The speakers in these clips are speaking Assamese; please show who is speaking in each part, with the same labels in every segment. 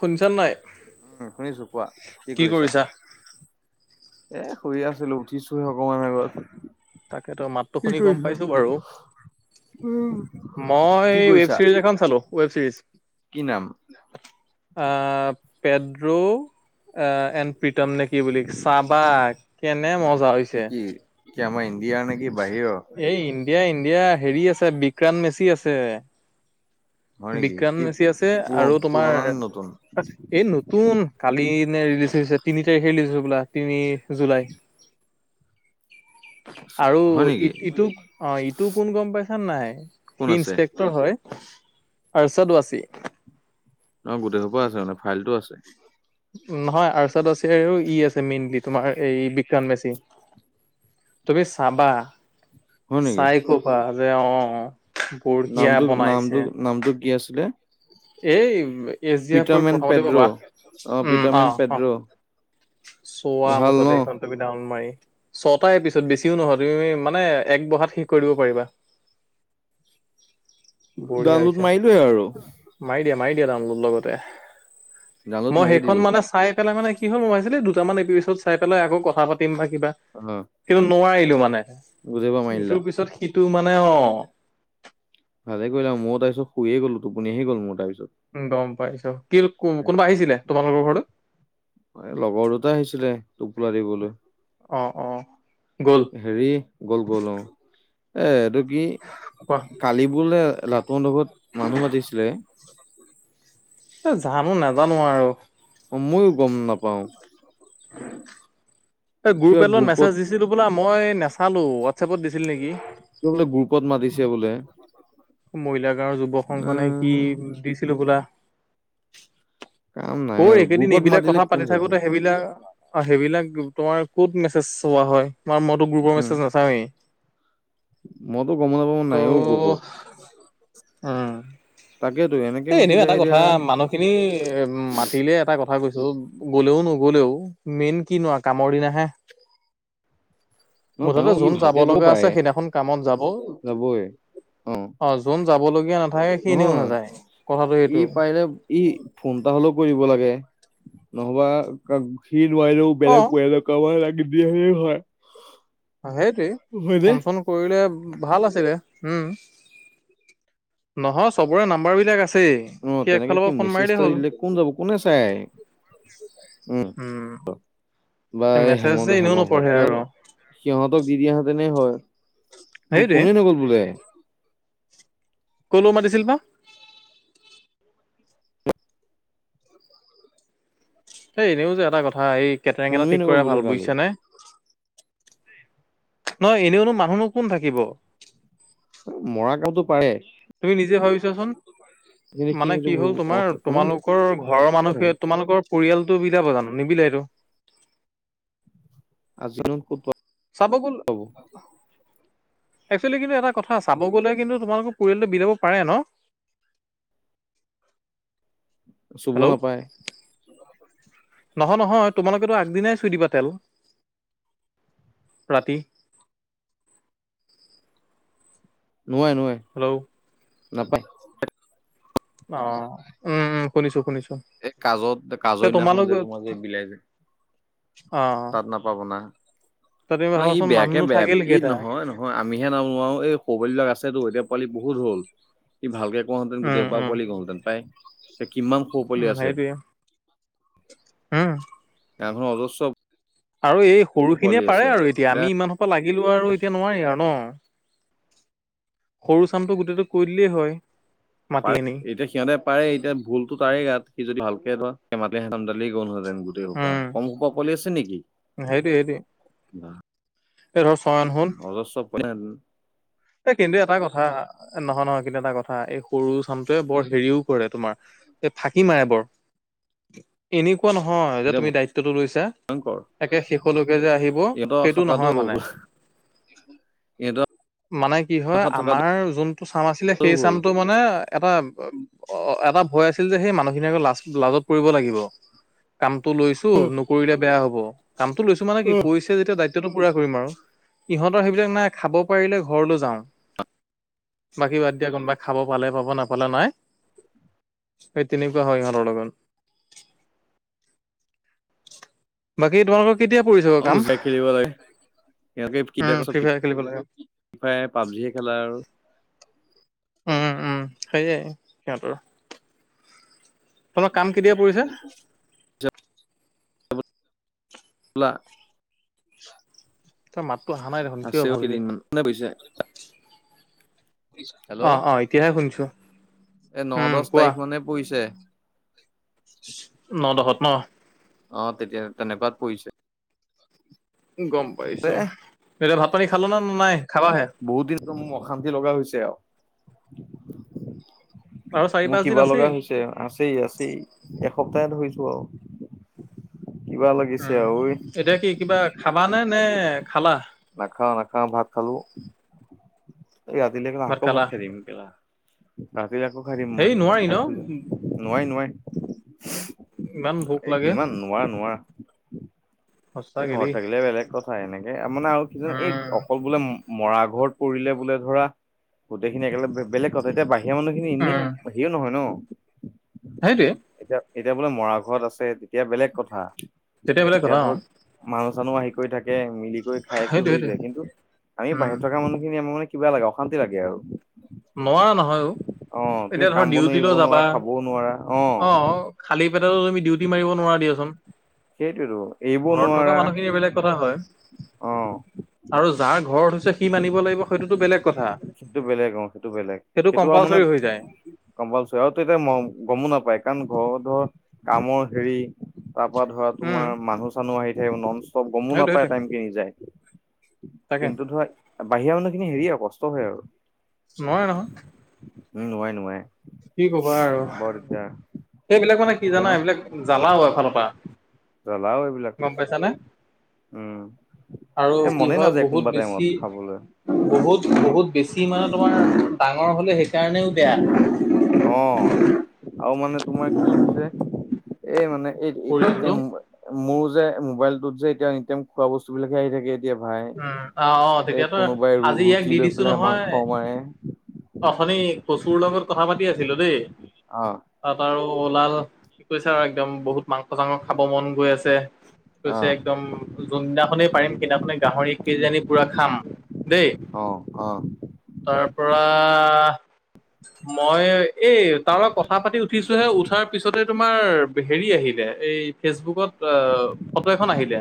Speaker 1: শুনিছা? নাই
Speaker 2: উম, শুনিছো কোৱা কি কৰিছা? এ শুই আছিলো উঠিছোহে অকমান আগত।
Speaker 1: তাকেতো মাতটো
Speaker 2: কি
Speaker 1: শুনি গম
Speaker 2: কৰিছা?
Speaker 1: পাইছো বাৰু। মই
Speaker 2: কি
Speaker 1: ৱেব
Speaker 2: কৰিছা?
Speaker 1: চিৰিজ এখন চালো ৱেব চিৰিজ।
Speaker 2: কি নাম?
Speaker 1: আহ পেড্ৰো এণ প্ৰীতম নে কি বুলি চাহবাগ। কেনে ম
Speaker 2: কি, কি আমাৰ ইণ্ডিয়াৰ নে কি বাহিৰৰ?
Speaker 1: এই ইণ্ডিয়া ইণ্ডিয়া হেৰি আছে বিক্ৰান্ত মেচি আছে।
Speaker 2: হয় নেকি
Speaker 1: বিজ্ঞান
Speaker 2: কি
Speaker 1: মেচি
Speaker 2: পু-
Speaker 1: আছে আৰু
Speaker 2: পুৰ- পুৰণা
Speaker 1: তোমাৰ
Speaker 2: নে নতুন?
Speaker 1: এই নতুন কালি ৰিলিজ হৈছে তিনি তাৰিখে ৰিলিজ হৈ বোলা তিনি জুলাই।
Speaker 2: চ-
Speaker 1: আৰু
Speaker 2: হয়
Speaker 1: ই
Speaker 2: নেকি
Speaker 1: -ইটো অ ইটো কোন গম পাইছ নাই
Speaker 2: কোন
Speaker 1: সি
Speaker 2: আছে?
Speaker 1: ইনস্পেক্টৰ হয়। আৰ্ষদ ৱাচী।
Speaker 2: অহ, গোটেই সোপা আছে মানে ফাইলটো আছে।
Speaker 1: নহয় আৰ্শদ ৱাৰ্শি আৰু ই আছে মেইনলি তোমাৰ বিক্ৰম মেছি। তুমি চাবা
Speaker 2: হয় নেকি?
Speaker 1: চাই কবা যে অ',। বঢ়িয়া
Speaker 2: নামটো নামটো
Speaker 1: বনাইছে।
Speaker 2: নামটো কি আছিলে
Speaker 1: এই এছ ডি এফৰ
Speaker 2: পিটাৰমেন
Speaker 1: প্ৰথমতে
Speaker 2: পেড্ৰ।
Speaker 1: কবা
Speaker 2: অ,
Speaker 1: উম,
Speaker 2: পিটাৰমেন
Speaker 1: অহ',
Speaker 2: পেড্ৰ
Speaker 1: অহ', চোৱা
Speaker 2: ভাল ন
Speaker 1: মুঠতে এইখন তুমি ডাওন মাৰি। ছটা এপিছড বেছিও নহয় তুমি মানে এক বহাত শেষ কৰি দিব পাৰিবা। [inaudible] বঢ়িয়া
Speaker 2: ডাউনলোড
Speaker 1: হৈছে।
Speaker 2: মাৰিলোয়ে আৰু।
Speaker 1: মাৰি দিয়া -মাৰি দিয়া ডাউনলোড লগতে
Speaker 2: ডাউনলোড
Speaker 1: মই
Speaker 2: মাৰিয়ে
Speaker 1: সেইখন
Speaker 2: দিলো।
Speaker 1: মানে চাই পেলাই মানে কি হল মাইছিলে দুটামান এপিচদ চাই পেলাই আকৌ কথা পাতিম বা কিবা
Speaker 2: অ,
Speaker 1: কিন্তু নোৱাৰি। [unintelligible] মানে
Speaker 2: গোটেইসোপা মাৰি দিলা
Speaker 1: ইটোৰ পিছত সিটো মানে অ',।
Speaker 2: ভালে কৰিলা ময়ো তাৰপিছত শুইয়েগ'লো টোপনিহে গ'লো মোৰ তাৰপিছত
Speaker 1: গম পাইছ কি কোনোবা আহিছিলে তোমালোকৰ ঘৰলে
Speaker 2: লগৰ দুটা আহিছিলে টোপোলা দিবলৈ।
Speaker 1: অ', অ', গ'ল
Speaker 2: হেৰি গ'ল -গ'ল অ এ এইটো
Speaker 1: কোৱা
Speaker 2: ই কালিবোলে লাটু হঁনতৰ ঘৰত মানুহ মাতিছিলে।
Speaker 1: এ জানো নাজানো আৰু।
Speaker 2: অ, মইও গম নাপাও।
Speaker 1: এই
Speaker 2: কিবা
Speaker 1: গ্ৰুপএলত মেছেজ
Speaker 2: গ্ৰুপত
Speaker 1: দিছিল বোলে মই নেচালো হোৱাটছএপত দিছিল নেকি।
Speaker 2: ত'বোলে গ্ৰুপত মাতিছে বোলে।
Speaker 1: মহিলা গাওঁৰ যুৱক
Speaker 2: এ
Speaker 1: সংখনে কি দিছিলো বোলা।
Speaker 2: কাম নাই
Speaker 1: অহ,
Speaker 2: আৰু
Speaker 1: এইকেইদিন
Speaker 2: গ্ৰুপত
Speaker 1: এইবিলাক
Speaker 2: মাতিলে
Speaker 1: কথা
Speaker 2: কোন
Speaker 1: পাতি
Speaker 2: যাব
Speaker 1: থাকোতে সেইবিলাক অহ, সেইবিলাক তোমাৰ ক'ত মেছেজ চোৱা হয় তোমাৰ মইতো গ্ৰুপৰ
Speaker 2: উম
Speaker 1: মেছেজ নাচাওঁৱেই।
Speaker 2: মইতো গম নাপাও নাইও গ্ৰুপত।
Speaker 1: হম,
Speaker 2: তাকেতো এনেকে
Speaker 1: এ এনেও
Speaker 2: মাতিলে
Speaker 1: এটা কথা
Speaker 2: এতিয়া
Speaker 1: মানুহ খিনি এ মাতিলে এটা কথা কৈছ গলেও নগলেও মেইন কিনো আ কামৰ দিনা হে।
Speaker 2: ন
Speaker 1: মুঠতে
Speaker 2: তেওঁ ই
Speaker 1: যোন যাব
Speaker 2: ভালকে ক'ব
Speaker 1: লগা আছে
Speaker 2: পাৰে
Speaker 1: সেইদিনাখন কামত যাব।
Speaker 2: যাবই অ
Speaker 1: অহ যোন যাব লগীয়া নাথাকে সি এনিও
Speaker 2: নহয়
Speaker 1: নাযায় কথাটো
Speaker 2: ই
Speaker 1: সেইটো
Speaker 2: পাৰিলে ই ফোনটা হলেও কৰিব লাগে নহবা সি নোৱাৰো
Speaker 1: অ
Speaker 2: বেলেগ পৰিয়ালৰ কাৰুবাৰ লাগি দিয়ে হয়
Speaker 1: সেইটোৱেই
Speaker 2: হয়নে?
Speaker 1: ফোন চন কৰিলে ভাল আছিলে উম নহয় চবৰে নাম্বাৰ বিলাক আছে
Speaker 2: অ'
Speaker 1: সি
Speaker 2: তেনেকে
Speaker 1: একফালৰ
Speaker 2: কি
Speaker 1: পৰা ফোন
Speaker 2: মেছেজ এটা
Speaker 1: মাৰিলেই হ'ল
Speaker 2: দিলে কোন যাব কোনে চাই
Speaker 1: উম
Speaker 2: বা এই
Speaker 1: মেছেজ
Speaker 2: হেমন্ত
Speaker 1: যে এনেও
Speaker 2: হেমক
Speaker 1: নপঢ়ে
Speaker 2: সিহঁত
Speaker 1: আৰু
Speaker 2: সিহঁতক দি দিয়াহেতেন হয় কো কো
Speaker 1: সেইটোৱে
Speaker 2: নগ'ল বোলে
Speaker 1: তোলো মাতিছিল না এই এনেও যে এটা কথা এই কেটৰেঙ এটা
Speaker 2: কোনোৱে
Speaker 1: ঠিক
Speaker 2: নগ'ল
Speaker 1: কৰে
Speaker 2: বোলে
Speaker 1: ভাল
Speaker 2: কালি।
Speaker 1: বুজিছ নে নহ এনেওনো মানুহনো কোন থাকিব
Speaker 2: মৰা গাঁওতো পাৰে
Speaker 1: তুমি নিজে ভাবিছাচোন
Speaker 2: কিন্তু সি
Speaker 1: মানে
Speaker 2: সেইটো
Speaker 1: কি হ'ল তোমাৰ
Speaker 2: কোনো
Speaker 1: তোমালোকৰ ঘৰৰ
Speaker 2: নাথাকে
Speaker 1: মানুহে তোমালোকৰ পৰিয়ালটো বিলাব জানো নিবিলাইটো
Speaker 2: আজি ক'ত বা
Speaker 1: চব গল একচুৱেলি কিন্তু এটা কথা চাব গলে কিন্তু তোমালোকৰ পৰিয়ালটো বিলাব পাৰে ন [inaudible] [unintelligible]
Speaker 2: চুব
Speaker 1: হেল্ল'
Speaker 2: নাপায়
Speaker 1: নহয় নহয় তোমালোকেতো আগদিনাই থই দিবা তেল ৰাতি
Speaker 2: নোৱাই নোৱাই
Speaker 1: হেল্ল'
Speaker 2: নাপায়
Speaker 1: অহ উম উম শুনিছো শুনিছো
Speaker 2: এই কাজত
Speaker 1: তে
Speaker 2: কাজৰদিনাখন
Speaker 1: তোমালোক
Speaker 2: যে তোমাৰ যে বিলাই যে তাত নাপাব না
Speaker 1: হয়
Speaker 2: অহ ই বেয়াকে বেয়া ই নহয় নহয় আমিহে নোবা নোৱাৰো এই খবাল বিলাক আছেতো এতিয়া পোৱালি বহুত হল। সি ভালকে কোৱা হেঁতেন গোটেই
Speaker 1: উম,
Speaker 2: সোপা
Speaker 1: উম,
Speaker 2: পোৱালি গল হেঁতেন পাই। এতিয়া কিমান কৌ সৰু পোৱালি আছে।
Speaker 1: হম।
Speaker 2: গাঁও খনৰ অজস্ৰ
Speaker 1: আৰু এই সৰু খিনিয়ে
Speaker 2: পোৱালি
Speaker 1: পাৰে
Speaker 2: আছে।
Speaker 1: আৰু এতিয়া আমি ইমানসোপা লাগি কিন্তু আৰু এতিয়া নোৱাৰি আৰু ন। সৰু চামটো গোটেইটো কৰি দিলেই হয়। মাতি
Speaker 2: পাৰে
Speaker 1: আনি
Speaker 2: এতিয়া সিহঁতে পাৰে এতিয়া ভুলতো তাৰে গাত সি যদি ভালকে ধমালি [unintelligible] স মাতে সঁতাম দালিে গল হয়। যেন গোটেই সোপা,
Speaker 1: উম,
Speaker 2: কমসোপা পোৱালি লি আছে নেকি, বা
Speaker 1: প [unintelligible] ৰৰ ছয়ন হল।
Speaker 2: আপোন।
Speaker 1: এ, কিন্তু এটা কথা নহয়, নহয় কিন্তু, এটা কথা। হা, এই সৰু চামটোৱে বৰ হেৰিও কৰে তোমাৰ এই ফাঁকি মাৰে বৰ। এনেকুৱা নহয় যে
Speaker 2: এতিয়া
Speaker 1: তুমি দায়িত্বটো লৈছা।
Speaker 2: ভয়ংকৰ
Speaker 1: তাকে শেষলৈকে যে আহিব সেইটো নহয় মানে।
Speaker 2: ইহঁত
Speaker 1: মানে কি হয় আমাৰ যোনটো চাম আছিলে সেই
Speaker 2: ভুল।
Speaker 1: চামটো মানে এটা এটা ভয় আছিল যে সেই মানুহখিনি আকৌ লাজ লাজত পৰিব লাগিব। কামটো লৈছো নকৰিলে বেয়া হব। কামটো লৈছো মানে কি
Speaker 2: অ',
Speaker 1: কৈছে যেতিয়া দায়িত্ব এতিয়াতো পোৰা কৰিম আৰু। ইহঁতৰ সেইবিলাক নাই খাব পাৰিলে ঘৰলৈ যাওঁ। বাকী বাদ দিয়া কোনোবাই খাব পালে পাব নাপালে নাই। এ, তেনেকুৱাই হয় ইহঁতৰ লগত। বাকী তোমালোকৰ কেতিয়া পৰিছে বাৰু কাম?
Speaker 2: গুচি যায় খেলিব লাগে
Speaker 1: উম ফিফায়াৰ খেলিব লাগে।
Speaker 2: ফ্ৰী ফায়াৰ পাবজি খেলা আৰু।
Speaker 1: উম, উম সেইয়ে সিহঁতৰ তোমাৰ কাম কেতিয়া পৰিছে?
Speaker 2: আৰু [unintelligible]
Speaker 1: তই মাতটো অহা নাই দেখোন কিয়
Speaker 2: আছেও
Speaker 1: ভালকে?
Speaker 2: কেইদিনমান কোনে কৈছে
Speaker 1: অ, অ এতিয়াহে শুনিছো।
Speaker 2: এ, ন,
Speaker 1: উম,
Speaker 2: দচ তাৰিখ মানে পৰিছে।
Speaker 1: ন দহ ত ন?
Speaker 2: অ, তেতিয়া তেনেকুৱাত পৰিছে।
Speaker 1: গম পাইছো
Speaker 2: এ
Speaker 1: এতিয়া ভাত পানী খালা না ন নাই? খাবাহে?
Speaker 2: বহুত দিন মোক অশান্তি লগা হৈছে আৰু।
Speaker 1: আৰু চাৰি
Speaker 2: মোৰ
Speaker 1: পাঁচ দিন
Speaker 2: কিবা
Speaker 1: আছেই।
Speaker 2: লগা হৈছে। আছেই আছেই এসপ্তাহ ধৰিছো আৰু। কিবা লাগিছে
Speaker 1: উম,
Speaker 2: আৰু ঐ
Speaker 1: এতিয়া কি কিবা খাবা নে নে খালা?
Speaker 2: নাখাওঁ নাখাওঁ ভাত খালো। এই ৰাতিলৈকে মই আকৌ ভাত খাই দিম কেলা ৰাতিলৈকে আকৌ খাই দিম
Speaker 1: হেই নোৱাৰি ন
Speaker 2: মই নোৱাই নোৱাই।
Speaker 1: ইমান ভোক
Speaker 2: এই
Speaker 1: লাগে
Speaker 2: কিমান নোৱাৰা নোৱাৰা। এ,
Speaker 1: সঁচাকে
Speaker 2: ঘৰত
Speaker 1: দেই।
Speaker 2: থাকিলে বেলেগ কথা। এনেকে মানে আৰু কি যে এই
Speaker 1: উম,
Speaker 2: অকল বোলে মৰা ঘৰত পৰিলে বোলে ধৰা গোটেইখিনি একেলগ বেলেগ কথা এতিয়া বাহি সেয়া মানুহখিনি এনেই
Speaker 1: উম,
Speaker 2: হেৰিও নহয় ন।
Speaker 1: সেইটোৱে।
Speaker 2: এতিয়া এতিয়া বোলে মৰা ঘৰত আছে তেতিয়া বেলেগ কথা।
Speaker 1: তেতিয়া বেলেগ কথা অহ।
Speaker 2: মানুহ-চানুহ আহি কৰি থাকে মিলি কৰি খাই
Speaker 1: সেইটোৱে
Speaker 2: শুই
Speaker 1: সেইটোৱে।
Speaker 2: যায় কিন্তু আমি
Speaker 1: উম,
Speaker 2: বাহিৰত থকা মানুহখিনি আমাৰ মানে কিবা লাগে অশান্তি লাগে আৰু।
Speaker 1: নোৱাৰা নহয়ও।
Speaker 2: অ তুমি
Speaker 1: এতিয়া
Speaker 2: কাম
Speaker 1: ধৰ
Speaker 2: বনো এৰিব
Speaker 1: ডিউটিলৈ যাবা
Speaker 2: নোৱাৰা খাবও নোৱাৰা
Speaker 1: অ খালী পে তুমি ডিউটি মাৰিব নোৱাৰ
Speaker 2: সেইটোৱেতো
Speaker 1: দিয়াচোন।
Speaker 2: এৰিবও
Speaker 1: ঘৰত থকা
Speaker 2: নোৱাৰা
Speaker 1: মানুহখিনি এই বেলেগ কথা হয়।
Speaker 2: অ
Speaker 1: আৰু যাৰ ঘৰত হৈছে সি মানিব লাগিব সেইটোতো বেলেগ কথা।
Speaker 2: সেইটো বেলেগ অ সেইটো বেলেগ সেইটো আৰু মানে
Speaker 1: কম্পালচৰি হৈ যায়
Speaker 2: কম্পালচ আৰু এতিয়া গমো নাপায় কাৰণ, ঘ ধৰ কামৰ হেৰি তাৰ পৰা ধৰা
Speaker 1: উম
Speaker 2: তোমাৰ মানুহ চানুহ আহি থাকে নন চব গমো
Speaker 1: সেইটোৱে
Speaker 2: নাপায়
Speaker 1: সেইটোৱে
Speaker 2: টাইম কেনি যায়
Speaker 1: তাকে
Speaker 2: কিন্তু ধৰা বাহিৰা মানুহখিনি হেৰি আৰু কষ্ট হয় আৰু।
Speaker 1: নোৱাৰে নহয়।
Speaker 2: উম নোৱাএ নোৱাৰে।
Speaker 1: কি কবা আৰু
Speaker 2: বৰ দিগদাৰ
Speaker 1: সেইবিলাক মানে কি জানা
Speaker 2: তেওঁ
Speaker 1: এইবিলাক জ্বালাও এফালৰ পৰা।
Speaker 2: জ্বলাও এইবিলাক।
Speaker 1: গম পাইছানে
Speaker 2: উম
Speaker 1: আৰু
Speaker 2: এ
Speaker 1: কি
Speaker 2: মনে
Speaker 1: হয়
Speaker 2: নাযায়
Speaker 1: বহুত
Speaker 2: কোনোবা
Speaker 1: বেছি
Speaker 2: টাইমত খাবলৈ
Speaker 1: বহুত। বহুত বেছি মানে তোমাৰ ডাঙৰ হ'লে সেইকাৰণেও বেয়া।
Speaker 2: অ আৰু মানে তোমাৰ কি হৈছে এই মানে এই এতিয়া
Speaker 1: পৰিয়ালটো
Speaker 2: মোৰো যে মোবাইল টোত যে এতিয়া এনিটাইম খোৱা বস্তু বিলাকহে আহি থাকে। এতিয়া ভাই
Speaker 1: উম অ অ
Speaker 2: এই
Speaker 1: তেতিয়াতো
Speaker 2: কোনোবাই
Speaker 1: আজি ইয়াক দি
Speaker 2: ৰুটি লৈ
Speaker 1: দিছো
Speaker 2: পেলাই
Speaker 1: নহয়
Speaker 2: মাংস মাৰে।
Speaker 1: অথনি কচুৰ লগত কথা পাতি আছিলো দেই
Speaker 2: অ
Speaker 1: তাত আৰু ওলাল কৈছে আৰু একদম বহুত মাংস চাংস খাব মন গৈ আছে।
Speaker 2: অ
Speaker 1: কৈছে একদম যোনদিনাখনে পাৰিম সেইদিনাখনে কিজানি পুৰা খাম। দেই
Speaker 2: অ অহ।
Speaker 1: তাৰ পৰা মই! এই তাৰ কথা পাতি উঠিছোহে উঠাৰ পিছতে। তোমাৰ হেৰি আহিলে এই ফেচবুকত ফটো এখন আহিলে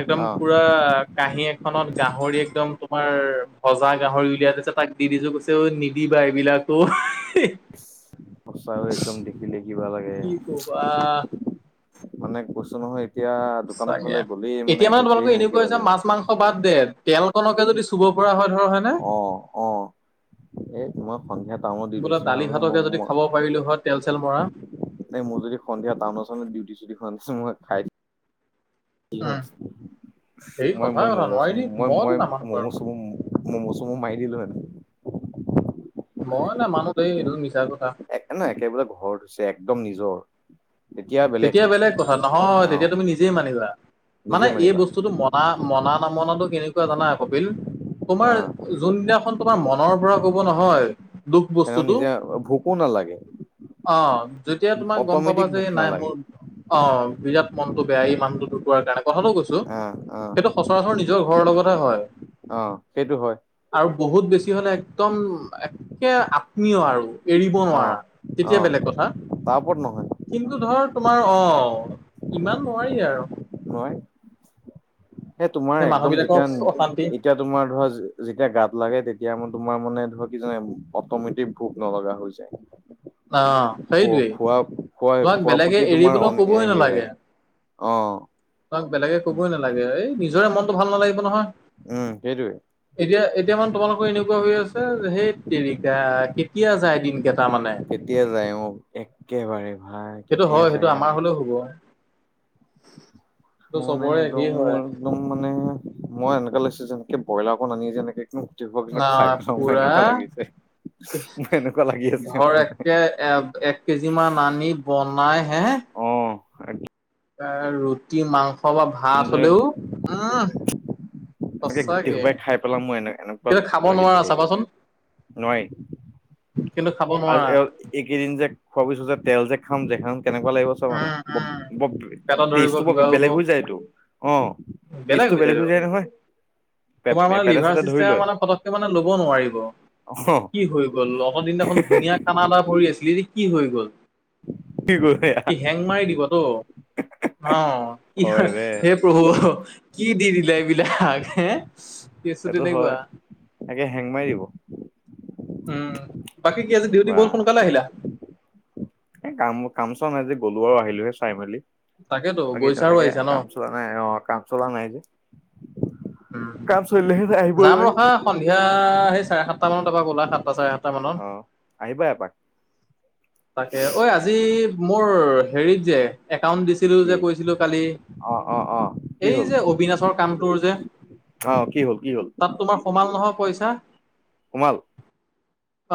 Speaker 1: একদম
Speaker 2: অ
Speaker 1: পুৰা কাঁহী এখনত গাহৰি, একদম তোমাৰ ভজা গাহৰি উলিয়াই দিছে তাক দি দিছো কৈছে, ঐ নিদিবা এইবিলাকো।
Speaker 2: সঁচাকও একদম দেখিলে কিবাল লাগে।
Speaker 1: কি কবা
Speaker 2: অনেক বস্তু নহয়। এতিয়া দোকানৰ
Speaker 1: চাগে
Speaker 2: ফালে গ'লেই
Speaker 1: এতিয়া মানে তোমালোকে
Speaker 2: দেখিলেই মোৰ
Speaker 1: এনেকুৱা
Speaker 2: কিবা
Speaker 1: হৈছে
Speaker 2: লাগে
Speaker 1: মাছ মাংস বাদ দে। তেল কনকে যদি চুব পৰা হয়। ধৰ হয়নে
Speaker 2: আহ আহ। এই মই সন্ধিয়া টামত দি
Speaker 1: বোলে
Speaker 2: দিছিলো
Speaker 1: দালি
Speaker 2: ম
Speaker 1: ভাতকে যদি
Speaker 2: মই,
Speaker 1: খাব পাৰিলো হয় তেল চেল মৰা
Speaker 2: এ মোৰ যদি সন্ধিয়া টাউনত চ ডিউটি চ স মই খাই দিম।
Speaker 1: উম হেৰি
Speaker 2: মই
Speaker 1: সঁচাই
Speaker 2: মই
Speaker 1: কথা
Speaker 2: মম
Speaker 1: নোৱাৰি
Speaker 2: মই
Speaker 1: মইতো
Speaker 2: মই
Speaker 1: নামানো
Speaker 2: মম
Speaker 1: বাৰু
Speaker 2: চ মম। মাই দিলোঁ।
Speaker 1: মই নে মানুহ দেই এইদোৰ মিছা কৰ।
Speaker 2: একে নহ একেবোলে ঘৰ হৈছে একদম নিজৰ।
Speaker 1: তেতিয়া বেলেগ কথা নহয়
Speaker 2: অ',
Speaker 1: তেতিয়া তুমি নিজেই মানিবা। মানে
Speaker 2: নিজে
Speaker 1: এই
Speaker 2: মাৰিবা
Speaker 1: বস্তুটো মনা মনা নামনাটো কেনেকুৱা জানাই কপিল। তোমাৰ
Speaker 2: অ',
Speaker 1: যোনদিনাখন তোমাৰ মনৰ পৰা কব নহয়। দুখ
Speaker 2: সেনেও
Speaker 1: বস্তুটো
Speaker 2: নিজে ভোকো নালাগে।
Speaker 1: অ যেতিয়া তোমাক গম পাবা
Speaker 2: অট'মেটিক
Speaker 1: যে
Speaker 2: ভোক
Speaker 1: নাই। মোৰ
Speaker 2: নালাগে
Speaker 1: অ বিৰাট মনতটো বেয় এই মানুহটো ঢুকোৱাৰ কাৰণে। কথাটো কৈছো
Speaker 2: অ', অ',
Speaker 1: সেইটো সচৰাচৰ নিজৰ ঘৰৰ লগতহে হয়।
Speaker 2: অ সেইটো হয়।
Speaker 1: আৰু বহুত বেছি হলে একদম একে আত্মীয়, আৰু এৰিব নোৱাৰা
Speaker 2: অ',
Speaker 1: তেতিয়া
Speaker 2: অ',
Speaker 1: বেলেগ কথা
Speaker 2: তাৰ ওপৰত নহয়
Speaker 1: কিন্তু ধৰক তোমাৰ অ ইমান নোৱাৰি, আৰু
Speaker 2: ন। এ তোমাৰ
Speaker 1: সেই মানুহ
Speaker 2: একদম
Speaker 1: বিলাকক
Speaker 2: যেতিয়া
Speaker 1: অশান্তি
Speaker 2: এতিয়া তোমাৰ ধৰা যেতিয়া গাত লাগে তেতিয়া মানে তোমাৰ মানে ধ কি জান অটমেটিক ভোক নলগা হৈ যায়
Speaker 1: অ
Speaker 2: খ
Speaker 1: সেইটোৱেই
Speaker 2: খোৱা খোৱা
Speaker 1: তোমাক
Speaker 2: খোৱা
Speaker 1: বেলেগে
Speaker 2: প্ৰতি তোমাৰ
Speaker 1: এৰিবলৈ
Speaker 2: এনে
Speaker 1: কবই
Speaker 2: আহি
Speaker 1: নালাগে
Speaker 2: যায়। অহ
Speaker 1: তোমাক বেলেগে কবই নালাগে এই নিজৰে মনতো ভাল নালাগিব নহয়।
Speaker 2: উম সেইটোৱে
Speaker 1: এতিয়া এতিয়া মানে তোমালোকৰ এনেকুৱা হৈ আছে সেই তেৰিকা কেতিয়া যায় দিন কেইটা মানে
Speaker 2: কেতিয়া যায় অ একেবাৰে ভাই
Speaker 1: সেইটো
Speaker 2: কেতিয়া
Speaker 1: হয় সেইটো
Speaker 2: যায়
Speaker 1: আমাৰ
Speaker 2: আৰু
Speaker 1: হলেও হ'ব সেইটো
Speaker 2: মানে
Speaker 1: চবৰে
Speaker 2: একদম
Speaker 1: একেই হয়
Speaker 2: একদম মানে মই এনেকুৱা লাগিছে যেন ব্ৰইলাকণ আনি যেনেকে এক খাই পেলাওঁ যেন এনেকুৱা লাগিছে
Speaker 1: এ
Speaker 2: মোৰ এনেকুৱা লাগি আছে
Speaker 1: ধৰ
Speaker 2: মানে
Speaker 1: একে এ এক কেজি মান আনি বনাই হে [unintelligible]
Speaker 2: হয় নি
Speaker 1: আ ৰুটি মাংস বা ভাত
Speaker 2: যে
Speaker 1: হলেও উম
Speaker 2: এনেকে গোটেই
Speaker 1: সঁচাকে
Speaker 2: সোপাই খাই পেলাম মোৰ এ এনেকুৱা
Speaker 1: কিন্তু খাব
Speaker 2: লাগি
Speaker 1: নোৱাৰা
Speaker 2: থাকে এতিয়া
Speaker 1: চাবাচোন
Speaker 2: নোৱাৰি
Speaker 1: কিন্তু খাব নোৱাৰা
Speaker 2: আৰু এইকেইদিন যে খোৱা পিছত যে তেল যে খাম দে খাম কেনেকুৱা লাগিব চপ আনা
Speaker 1: উম উম
Speaker 2: ব
Speaker 1: পেটত ধৰিব
Speaker 2: টেষ্টটো ব
Speaker 1: কিবা
Speaker 2: বৰ
Speaker 1: হব
Speaker 2: বেলেগ হৈ যায় ক টেষ্টটো বেলেগ হৈ যায় নহয়।
Speaker 1: তোমাৰ
Speaker 2: পে-
Speaker 1: মানে
Speaker 2: পেটে
Speaker 1: লিভাৰ
Speaker 2: চেটে ধৰি
Speaker 1: চিষ্টেম
Speaker 2: লয়
Speaker 1: মানে পতকে মানে ল'ব নোৱাৰিব
Speaker 2: অ
Speaker 1: কি হৈ গ'ল লগত দিনাখন ধুনীয়া খানা এটা কৰি আছিলি কি হৈ গ'ল
Speaker 2: [unintelligible]
Speaker 1: কি হেং মাৰি দিবটো, অ কি হে
Speaker 2: হয় দে
Speaker 1: হে প্ৰভু কি দি দিলে এইবিলাক হে কেচটো
Speaker 2: এইটো হয়
Speaker 1: তেনেকুৱা
Speaker 2: একে হেং মাৰি দিব।
Speaker 1: উম, বাকী কি আজি ডিউটি বৰ সোনকালে আহিলা?
Speaker 2: এ কাম কাম চাম আজি গ'লো আৰু আহিলোৱে চাই মেলি।
Speaker 1: তাকেতো
Speaker 2: বাকী
Speaker 1: গৈছা আৰু
Speaker 2: তেনেকে
Speaker 1: আহিছা ন?
Speaker 2: কাম চলা নাই অ কাম চলা নাই যে
Speaker 1: উম,
Speaker 2: কাম চলিলেহে আহিব
Speaker 1: যাম
Speaker 2: নোৱাৰি
Speaker 1: ৰখা সন্ধিয়া সেই চাৰে সাতটা মানৰ তাপা গ'লা সাতটা চাৰে সাত
Speaker 2: অহ আহিবা এপাক।
Speaker 1: তাকে ঐ আজি মোৰ কাউণ্ট দিছিলোঁ যে
Speaker 2: কি
Speaker 1: কৈছিলো কালি,
Speaker 2: অ অ অ
Speaker 1: এই যে অবিনাচৰ কামটোৰ যে
Speaker 2: অহ কি হ'ল কি হ'ল
Speaker 1: পইছা
Speaker 2: সোমাল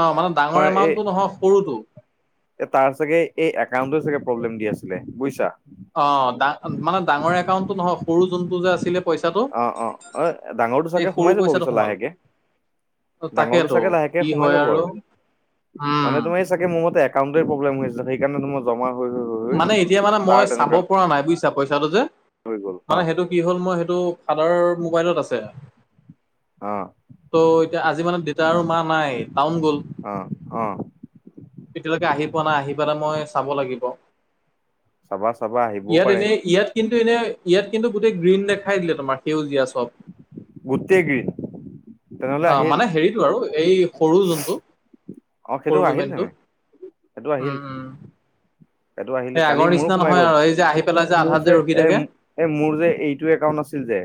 Speaker 1: অ মানে ডাঙৰ এমাউণ্টটো নহয় সৰুটো।
Speaker 2: এ তাৰ চাগে এই একাউণ্টৰ চাগে প্ৰব্লেম দি আছিলে বুয়িছা।
Speaker 1: অ ডা মানে ডাঙৰ একাউণ্টটো নহয় সৰু যোনটো যে আছিলে। পইচাটো
Speaker 2: অ অ অ ডাঙৰটো
Speaker 1: এই
Speaker 2: চাগে
Speaker 1: সৰু
Speaker 2: সোমাই যাব
Speaker 1: পইচাটো
Speaker 2: পিছত
Speaker 1: সোমাল।
Speaker 2: লাহেকে। ডাঙৰটো
Speaker 1: তাকেতো
Speaker 2: চাগে লাহেকে
Speaker 1: কি
Speaker 2: সোমাই
Speaker 1: হয়
Speaker 2: যাব আৰু মানে
Speaker 1: উম,
Speaker 2: তোমাৰ এই চাগে মোৰ মতে একাউণ্টটোৱে প্ৰব্লেম হৈ আছিলে সেইকাৰণে তোমাৰ জমা হৈ হৈ হৈ হৈ
Speaker 1: মানে এতিয়া মানে মই
Speaker 2: তাৰ
Speaker 1: চাব
Speaker 2: তেনেকা
Speaker 1: পৰা নাই বুয়িছা পইছাটো যে
Speaker 2: হৈ গ'ল অ
Speaker 1: মানে সেইটো কি হ'ল মই সেই টো ফাদাৰৰ মোবাইলত আছে।
Speaker 2: অ
Speaker 1: ত' এতিয়া আজি মানে দেতা আৰু মা নাই, টাউন গ'ল।
Speaker 2: অ অ
Speaker 1: এতিয়ালৈকে আহি পোৱা নাই, আহি পালে মই চাব লাগিব।
Speaker 2: চাবা চাবা আহিবও
Speaker 1: ইয়াত
Speaker 2: পাৰে
Speaker 1: এনে ইয়াত কিন্ ত এনে ইয়াত কিন্তু গোটেই গ্ৰীণ দেখাই দিলে তোমাৰ সেউজীয়া চব।
Speaker 2: গোটেই গ্ৰীণ তেনেহলে
Speaker 1: অ
Speaker 2: আহিল
Speaker 1: মানে হেৰিটো আৰু এই সৰু যোনটো।
Speaker 2: অ সেইটো
Speaker 1: সৰু
Speaker 2: আহিল
Speaker 1: পেমেন্ট টো,
Speaker 2: তেনে
Speaker 1: ওম ওম।
Speaker 2: এইটো আহিলে, কালি মোৰো সোমাই গ'ল।
Speaker 1: পেলাই
Speaker 2: মোৰ
Speaker 1: আধাত
Speaker 2: যে
Speaker 1: ৰখি
Speaker 2: এ
Speaker 1: থাকে
Speaker 2: এ মোৰ যে এইটো একাউণ্ট আছিল। যে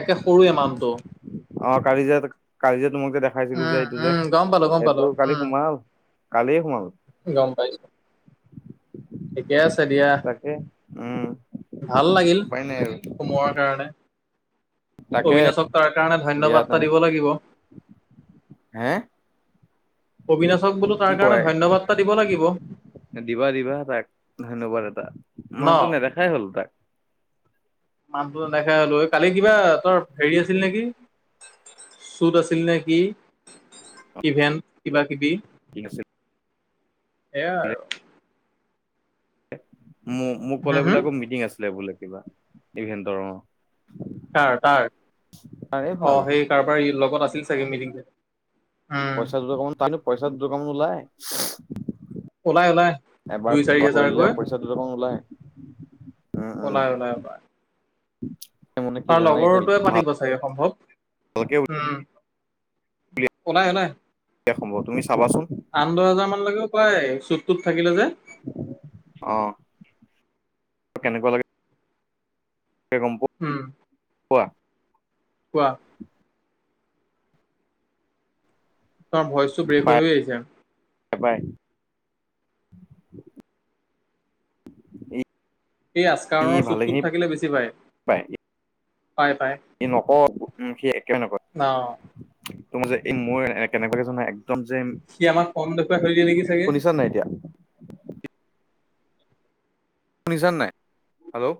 Speaker 1: একে সৰু এমাউন্তো।
Speaker 2: অ কালি যে কালি যে তোমাক যে দেখাইছিলো যে
Speaker 1: উম
Speaker 2: এইটো যে,
Speaker 1: উম গম পালো গম
Speaker 2: সেইটো
Speaker 1: পালো
Speaker 2: কালি
Speaker 1: উম
Speaker 2: সোমাল, কালিয়ে সোমাল।
Speaker 1: গম পাইছো ঠিকে আছে দিয়া।
Speaker 2: তাকে উম
Speaker 1: ভাল লাগিল,
Speaker 2: উপায় নাই আৰু
Speaker 1: সোমোৱাৰ কাৰণে।
Speaker 2: তাকে
Speaker 1: অবিনাচক তাৰ কাৰণে
Speaker 2: দিয়া
Speaker 1: ধন্যবাদ এটা
Speaker 2: তেনে
Speaker 1: দিব লাগিব।
Speaker 2: হে?
Speaker 1: অবিনাচক বোলো
Speaker 2: কি
Speaker 1: তাৰ কাৰণে
Speaker 2: কয়
Speaker 1: ধন্যবাদ এটা দিব লাগিব।
Speaker 2: দিবা দিবা তাক ধন্যবাদ এটা।
Speaker 1: ন
Speaker 2: মানুহটো নেদেখাই হ'ল তাক।
Speaker 1: মানুহটো নেদেখা হ'লগৈ। কালি কিবা তোৰ হেৰী আছিল নেকি? ছোট আছিল নেকি? ইভেন্ট কিবা কিবি।
Speaker 2: ঠিক আছে।
Speaker 1: সেইয়া আৰু।
Speaker 2: মো-মোক কলে
Speaker 1: হম
Speaker 2: বোলে
Speaker 1: হম
Speaker 2: আকৌ মিটিং আছিলে বোলে কিবা, ইভেন্টৰ অ।
Speaker 1: তাৰ তাৰ।
Speaker 2: তাৰে
Speaker 1: অ
Speaker 2: ভাল
Speaker 1: সেই কাৰবাৰ লগত আছিল চাগে মিটিং-চিটি
Speaker 2: পইচা দুটকামান তাৰ কিন্তু পইচা দুটকামান ওলাই।
Speaker 1: ওলাই ওলাই,
Speaker 2: এবাৰ
Speaker 1: দুই চাৰি
Speaker 2: কৰিলে
Speaker 1: হাজাৰকৈ।
Speaker 2: পইচা দুটকামান ওলাই উম উম
Speaker 1: ওলাই ওলাই ওলাই।
Speaker 2: [inaudible] কি
Speaker 1: তাৰ
Speaker 2: জানানে এতিয়া
Speaker 1: লগৰটোৱে পাতিব চাগে সম্ভৱ।
Speaker 2: ভালকে
Speaker 1: উম।
Speaker 2: উলিয়াই
Speaker 1: ওলাই ওলাই।
Speaker 2: সম্ভৱ তুমি চাবাচোন
Speaker 1: আঠ দহ হেজাৰ মান লৈকে ওলাই, চুট টোত থাকিলে যে।
Speaker 2: অ। কেনেকুৱা লাগে গম পোৱা?
Speaker 1: কোৱাহ। তোমাৰ ভইচটো ব্ৰেক
Speaker 2: পাই
Speaker 1: হৈ হৈ আহিছে।
Speaker 2: পাই
Speaker 1: সেই
Speaker 2: ই
Speaker 1: আচকাৰণৰ চুট
Speaker 2: ভালেখিনি
Speaker 1: টোত থাকিলে বেছি পায়।
Speaker 2: পায়
Speaker 1: পাই পাই
Speaker 2: ই নক উ সি একোৱে নকয়,
Speaker 1: অ
Speaker 2: তুমি যে এই মোৰ কেনেকুৱাজন নহ - একম যে,
Speaker 1: সি আমাক কম দেখুৱাই থৈ দিয়ে নেকি চাগে
Speaker 2: শুনিছা নাই এতিয়া? শুনিছ নাই? হেল্ল',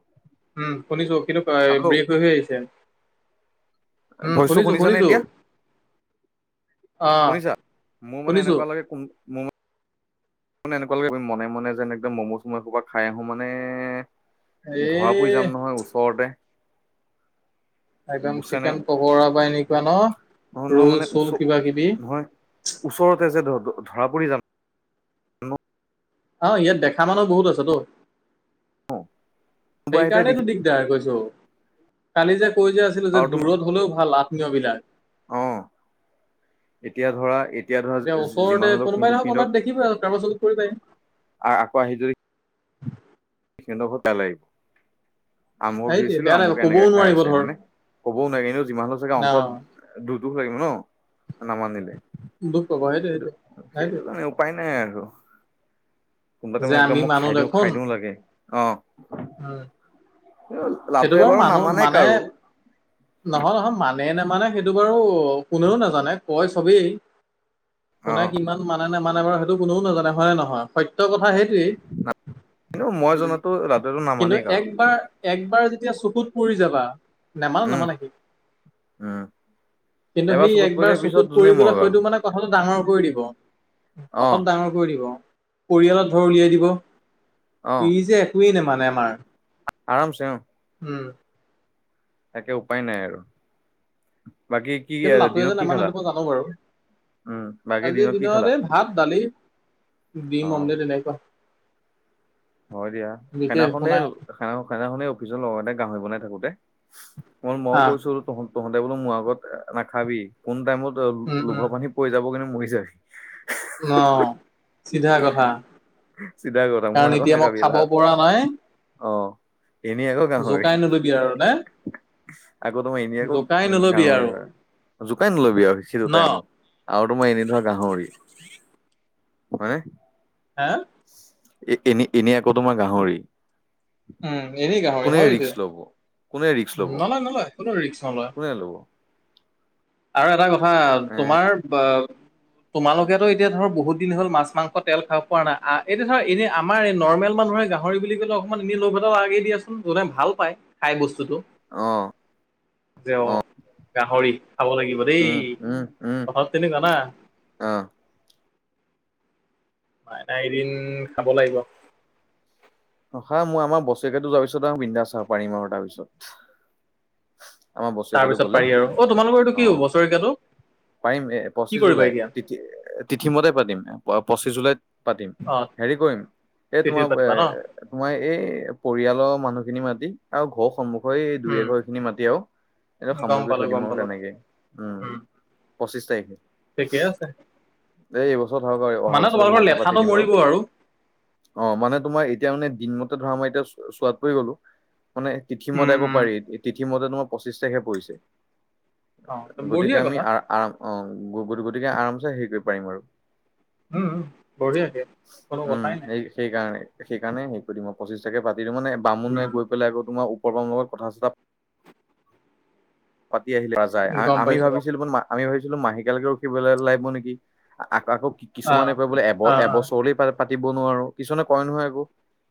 Speaker 1: উম শুনিছো। কিন্তু
Speaker 2: হেল্ল'
Speaker 1: ব্ৰেক হৈ হৈ আহিছে। উম
Speaker 2: ভইচটো
Speaker 1: শুনিছো
Speaker 2: শুনিছানে
Speaker 1: শুনিছো
Speaker 2: এতিয়া?
Speaker 1: অ
Speaker 2: শুনিছা মোৰ মানে
Speaker 1: শুনিছো
Speaker 2: এনেকুৱা লাগে কোন মোৰ ম এনেকুৱাে মনে মনে যেন একদম মম'জ মম' এ পৰা খাই আহো মানে
Speaker 1: এ
Speaker 2: ধৰা পৰি যাম নহয় ওচৰতে।
Speaker 1: একদম চিকেন পকৰা বা এনেকুৱা ন?
Speaker 2: নহ নহয়
Speaker 1: ৰোল
Speaker 2: মানে ওচ
Speaker 1: চোল কিবা কিবি
Speaker 2: নহয় ওচৰতে যে ধৰা পৰি যাম।
Speaker 1: আহ ইয়াত দেখা মানুহ বহুত আছেতো।
Speaker 2: মোবাইলতে
Speaker 1: সেইকাৰণেটো
Speaker 2: দেখি
Speaker 1: দিগদাৰ কৈছো। কালি যে কৈ যে আছিলো যে
Speaker 2: আৰু তুম
Speaker 1: দূৰত হলেও ভাল, আ- বিলাক।
Speaker 2: অ। এতিয়া ধৰা তেতিয়া
Speaker 1: এতিয়া
Speaker 2: ধৰা
Speaker 1: ওচৰতে
Speaker 2: যিমান হলেও
Speaker 1: কোনোবাই
Speaker 2: সি
Speaker 1: নহয় কোনোবাই
Speaker 2: সিতক
Speaker 1: দেখিবই আৰু কাৰোবাৰ চকুত পৰিবই
Speaker 2: আকৌ আহি যদি সিহঁ লাগিব। আমুক
Speaker 1: সেইটোৱে
Speaker 2: দিছিলো
Speaker 1: বেয়া লাগিব
Speaker 2: আমুকে
Speaker 1: কবও
Speaker 2: এনেকে খাই
Speaker 1: নোৱাৰিব
Speaker 2: আছে
Speaker 1: ধৰ
Speaker 2: হয়নে। ক'বও নোৱাৰি। কিন্তু যিমান চাগে
Speaker 1: অ
Speaker 2: অন্তত দুূ দুখ লাগিব ন। নামানিলে।
Speaker 1: দুখ পাব সেইটোৱে
Speaker 2: সেইটো
Speaker 1: সেইটোৱে
Speaker 2: সেইটো
Speaker 1: সেইটোৱে
Speaker 2: কাৰণে উপায় নাই আৰু। কোনোবাতে
Speaker 1: যে
Speaker 2: মানে একদম
Speaker 1: আমি
Speaker 2: মই খাই দিওঁ খাই দিও লাগে অ।
Speaker 1: হয়। সেইটো
Speaker 2: লাটুৱে
Speaker 1: বাৰু মানুহ
Speaker 2: নামানে
Speaker 1: মানে
Speaker 2: কাৰো
Speaker 1: নহয় নহয় মানুহ, মানে নে মানে সেইটো বাৰু কোনেও নাজানে কয় চবেই,
Speaker 2: অ
Speaker 1: কোনে কিমান মানে- ম মানে বাৰু সেইটো কোনেও নাজানে হয় নহয় সত্য কথা সেইটোৱেই।
Speaker 2: কিন্তু মই জনাতো লাটুৱেটো
Speaker 1: কিন্তু
Speaker 2: নামানেই কাৰো
Speaker 1: একবাৰ এক- বাৰ যেতিয়া চকুত পৰি যাবা নেমানা
Speaker 2: উম
Speaker 1: নেমান সি।
Speaker 2: উম
Speaker 1: কিন্তু
Speaker 2: এবাৰ
Speaker 1: সেই
Speaker 2: চকুত
Speaker 1: একবাৰ
Speaker 2: পৰিলে পিছত
Speaker 1: চকুত
Speaker 2: যোনে
Speaker 1: পৰি গ'লে
Speaker 2: মৰক আৰু
Speaker 1: হয়তো মানে কথাটো ডাঙৰ, কৰি দিব।
Speaker 2: অ
Speaker 1: অকল ডাঙৰ কৰি দিব, পৰিয়ালত ধৰ উলিয়াই দিব।
Speaker 2: অ
Speaker 1: ই যে একোৱেই নেমানে আমাৰ।
Speaker 2: আৰামছে অ
Speaker 1: উম
Speaker 2: একে উপায় নাই আৰু। বাকী কি
Speaker 1: কিন্তু নাটোৱে যে
Speaker 2: দিনত কি
Speaker 1: ইমান
Speaker 2: খালা
Speaker 1: সেইটো মই জানো বাৰু।
Speaker 2: উম বাকী
Speaker 1: আজিৰ
Speaker 2: কি খালা
Speaker 1: দিনত এই ভাত, দালি, ডিম,
Speaker 2: অ
Speaker 1: অমলেট এনেকুৱা।
Speaker 2: হয় দিয়া
Speaker 1: বিশেষ একো
Speaker 2: সেনাখনে
Speaker 1: নাই
Speaker 2: খেনাখনেই অফিচৰ লগৰতে গাহৰি বনাই থাকোতে, ম মই
Speaker 1: আহ
Speaker 2: কৈছো ত তহঁতে বোলো মোৰ আগত নাখাবি। কোন টাইমত
Speaker 1: উম উম
Speaker 2: লোভৰ পানী পৰি যাব কিন্তু মৰিছা।
Speaker 1: ন চিধা কথা
Speaker 2: চিধা কথা মোৰ
Speaker 1: কাৰণ
Speaker 2: আগত
Speaker 1: এতিয়া মই
Speaker 2: নেখাবি
Speaker 1: খাব
Speaker 2: লাল
Speaker 1: পৰা নাই
Speaker 2: আহ, এনেই আকৌ গাহৰি।
Speaker 1: জোকাই নলবি আৰু নে
Speaker 2: আকৌ তোমাৰ এনেই আকৌ
Speaker 1: জোকাই নলবি
Speaker 2: গাহৰি
Speaker 1: আৰু
Speaker 2: হয়। জোকাই নলবি আৰুচিটো
Speaker 1: ন
Speaker 2: টাইমত। আৰু তোমাৰ এনেই ধৰা গাহৰি। হয়নে!
Speaker 1: হা
Speaker 2: এ এনে এনেই আকৌ তোমাৰ গাহৰি।
Speaker 1: উম এনেই গাহৰি
Speaker 2: কোনে
Speaker 1: হয়টোৱে
Speaker 2: ৰিক্স ল'ব, কোনে ৰিক্স ল'ব।
Speaker 1: নলয় নলয় কোনো ৰিক্স নলয়
Speaker 2: কোনে লব।
Speaker 1: আৰু এটা কথা
Speaker 2: এ
Speaker 1: তোমাৰ বা- তোমালোকেতো এতিয়া ধৰ বহুত দিন হল মাছ মাংস তেল খাব পৰা নাই। এতিয়া ধৰ এনে আমাৰ এই নৰ্মেল মানুহে গাহৰি বুলি ক'লে অকমান এনেই লোভ লাগে দিয়াচোন যোনে ভাল পায় খাই বস্তু।
Speaker 2: আহ
Speaker 1: যে অ গাহৰি খাব লাগিব দেই।
Speaker 2: উম উম উম
Speaker 1: কথাটো তেনেকুৱা না।
Speaker 2: অ।
Speaker 1: মনা এদিন খাব লাগিব।
Speaker 2: হা মই আমাৰ বছৰেকো যোৱাৰ পিছত আৰু বিন্ধা চাব পাৰিম আৰু তাৰপিছত। আমাৰ বছেৰেকীয়াটো
Speaker 1: তাৰপিছত
Speaker 2: গ'লে
Speaker 1: পাৰি আৰু, অ তোমালোকৰ এইটো
Speaker 2: অ
Speaker 1: কি হ বছৰিকীয়াতটো?
Speaker 2: পাৰিম এ পঁচিশ জুলাই তিথি তিথিমতে পাতিম। পঁচিছ জুলাইত পাতিম।
Speaker 1: অ
Speaker 2: হেৰি কৰিম এই
Speaker 1: তেতিত
Speaker 2: তোমাৰ
Speaker 1: পাতিবা ন
Speaker 2: তোমাৰ এই পৰিয়ালৰ মানুহ খিনি মাতি আৰু ঘৰৰ সন্মুখীন ঘ দুই
Speaker 1: উম
Speaker 2: এঘৰ খিনি মাতি আৰু, এ সামৰি
Speaker 1: গম
Speaker 2: কৰি
Speaker 1: পালো
Speaker 2: থৈ দিম
Speaker 1: গম
Speaker 2: আৰু
Speaker 1: পালো
Speaker 2: তেনেকে উম। পঁচিশ তাৰিখে।
Speaker 1: ঠিকে আছে
Speaker 2: এই এইবছৰত হওক আৰু অহা
Speaker 1: মানে
Speaker 2: বছৰ
Speaker 1: তোমালোকৰ
Speaker 2: ভালকে পাতি
Speaker 1: লেঠাটো
Speaker 2: দিম আৰু
Speaker 1: মৰিব
Speaker 2: অ মানে তোমাৰ এতিয়া মানে, তিমতে ধৰা মই এতিয়া চোৱাত পৰি গ'লো, মানে
Speaker 1: উম
Speaker 2: তিথিমতে আকৌ
Speaker 1: উম
Speaker 2: পাৰি তি মতে তোমাৰ পঁচিছ তাৰিখে পৰিছে।
Speaker 1: অ
Speaker 2: গতিকে
Speaker 1: বঢ়িয়া
Speaker 2: আমি
Speaker 1: কথা
Speaker 2: আ আ অ গতিকে আৰামচে হেৰি কৰিব পাৰিম আৰু।
Speaker 1: উম উম বঢ়িয়াকে কোনো
Speaker 2: উম
Speaker 1: কথাই নাই
Speaker 2: এই সেইকাৰণেই। সেইকাৰণে হে কৰি দিম আও। পঁচিছ তাৰিখে কো দিম মান বামুণে
Speaker 1: উম
Speaker 2: গৈ পেলাই আকৌ তোমাৰ পবন লগত কথা চতা। আহ য
Speaker 1: গম
Speaker 2: আমি
Speaker 1: পাইছো গম
Speaker 2: ভাবিছিলো
Speaker 1: পাইছো
Speaker 2: ম আমি ভাবিছিলো মাহেকীয়ালৈকে ৰখিবলৈ লাগিব নেকি আকৌ
Speaker 1: অ অ
Speaker 2: কিছুমানে কয় বোলে এব
Speaker 1: অ অ
Speaker 2: এবছৰলে পাতিব নোৱাৰো। কিছুমানে কয় নহয় আকৌ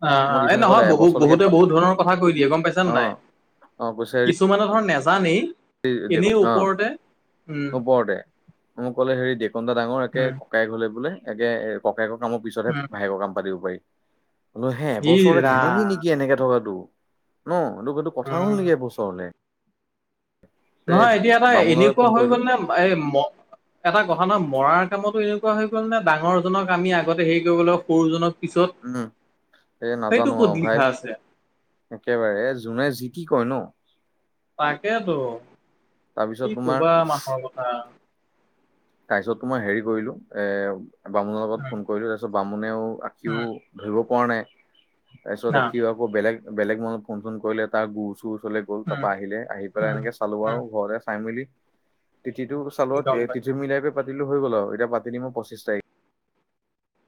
Speaker 1: অ
Speaker 2: মই
Speaker 1: এই
Speaker 2: কিছুমানে
Speaker 1: নহয়
Speaker 2: ক'লে
Speaker 1: বহুত
Speaker 2: এবছৰলৈকে
Speaker 1: বহুতে
Speaker 2: পা-
Speaker 1: বহুত ধৰণৰ কথা কৈ দিয়ে গম পাইছানে
Speaker 2: অ
Speaker 1: নাই!
Speaker 2: অ কৈছে হেৰি
Speaker 1: কিছুমানে ধৰণ নেচ এনে
Speaker 2: দেউক- অ
Speaker 1: ওপৰতে উম
Speaker 2: ওপৰতে মোক কলে হেৰি ডিকদা ডাঙৰ একে
Speaker 1: উম
Speaker 2: ককাই হলে বোলে একগে এ ককাকৰ কামৰ পিছতহে
Speaker 1: উম
Speaker 2: ভায়েকৰ কাম পাতিব পাৰি বলো হে এ
Speaker 1: ই
Speaker 2: বছৰতে ধেমালি
Speaker 1: ৰাম
Speaker 2: নেকি এনেকে থকাতটো ন তোক এইটো কথা হ'ল
Speaker 1: উম
Speaker 2: নেকি এবছৰলে
Speaker 1: নহয় এতিয়া এটা
Speaker 2: বামুণলৈ
Speaker 1: এনেকুৱা
Speaker 2: ফোন
Speaker 1: হৈ
Speaker 2: কৰিলো
Speaker 1: গ'ল নে এ ম এটা কথা নহ মৰাৰ কামতো এনেকোৱা হৈ গ'ল নে ডাঙৰজনক আমি আগতে হেৰি কৰিব গলো সৰুজনক পিছত
Speaker 2: উম এই
Speaker 1: সেইটো
Speaker 2: নাজানো
Speaker 1: ক'ত
Speaker 2: আৰু ভাই
Speaker 1: লিখা আছে
Speaker 2: একেবাৰে যোনে যি কি কয় ন।
Speaker 1: তাকেইেতো
Speaker 2: তাৰপিছত
Speaker 1: কি
Speaker 2: তোমাৰ
Speaker 1: কবা মানুহৰ কথা
Speaker 2: তাৰ পিছতো মই হেৰি কৰিলো এ বামুণৰ লগত
Speaker 1: উম
Speaker 2: ফোন কৰিলো তাৰপিছত বামুণেও
Speaker 1: উম
Speaker 2: আঁখিও ধৰিব পৰা নাই।
Speaker 1: না
Speaker 2: তাৰপিছত সি আকৌ বেলেগ বেলেগ মনত ফোন চোন কৰিলে তাৰ গুুৰ চুুৰ লৈ গ'ল
Speaker 1: উম
Speaker 2: তাৰপৰা আহিলে আহি পেলাই
Speaker 1: উম
Speaker 2: এনেকৈ চালোঁ আৰু
Speaker 1: উম
Speaker 2: ঘৰে চাই মেলি- তিটো চালোৱাত
Speaker 1: গম পাই
Speaker 2: তিথি মিলাই পে পাতিলো হৈ গল আৰু এতিয়া পাতি দিমই পঁচিছ তাৰিখ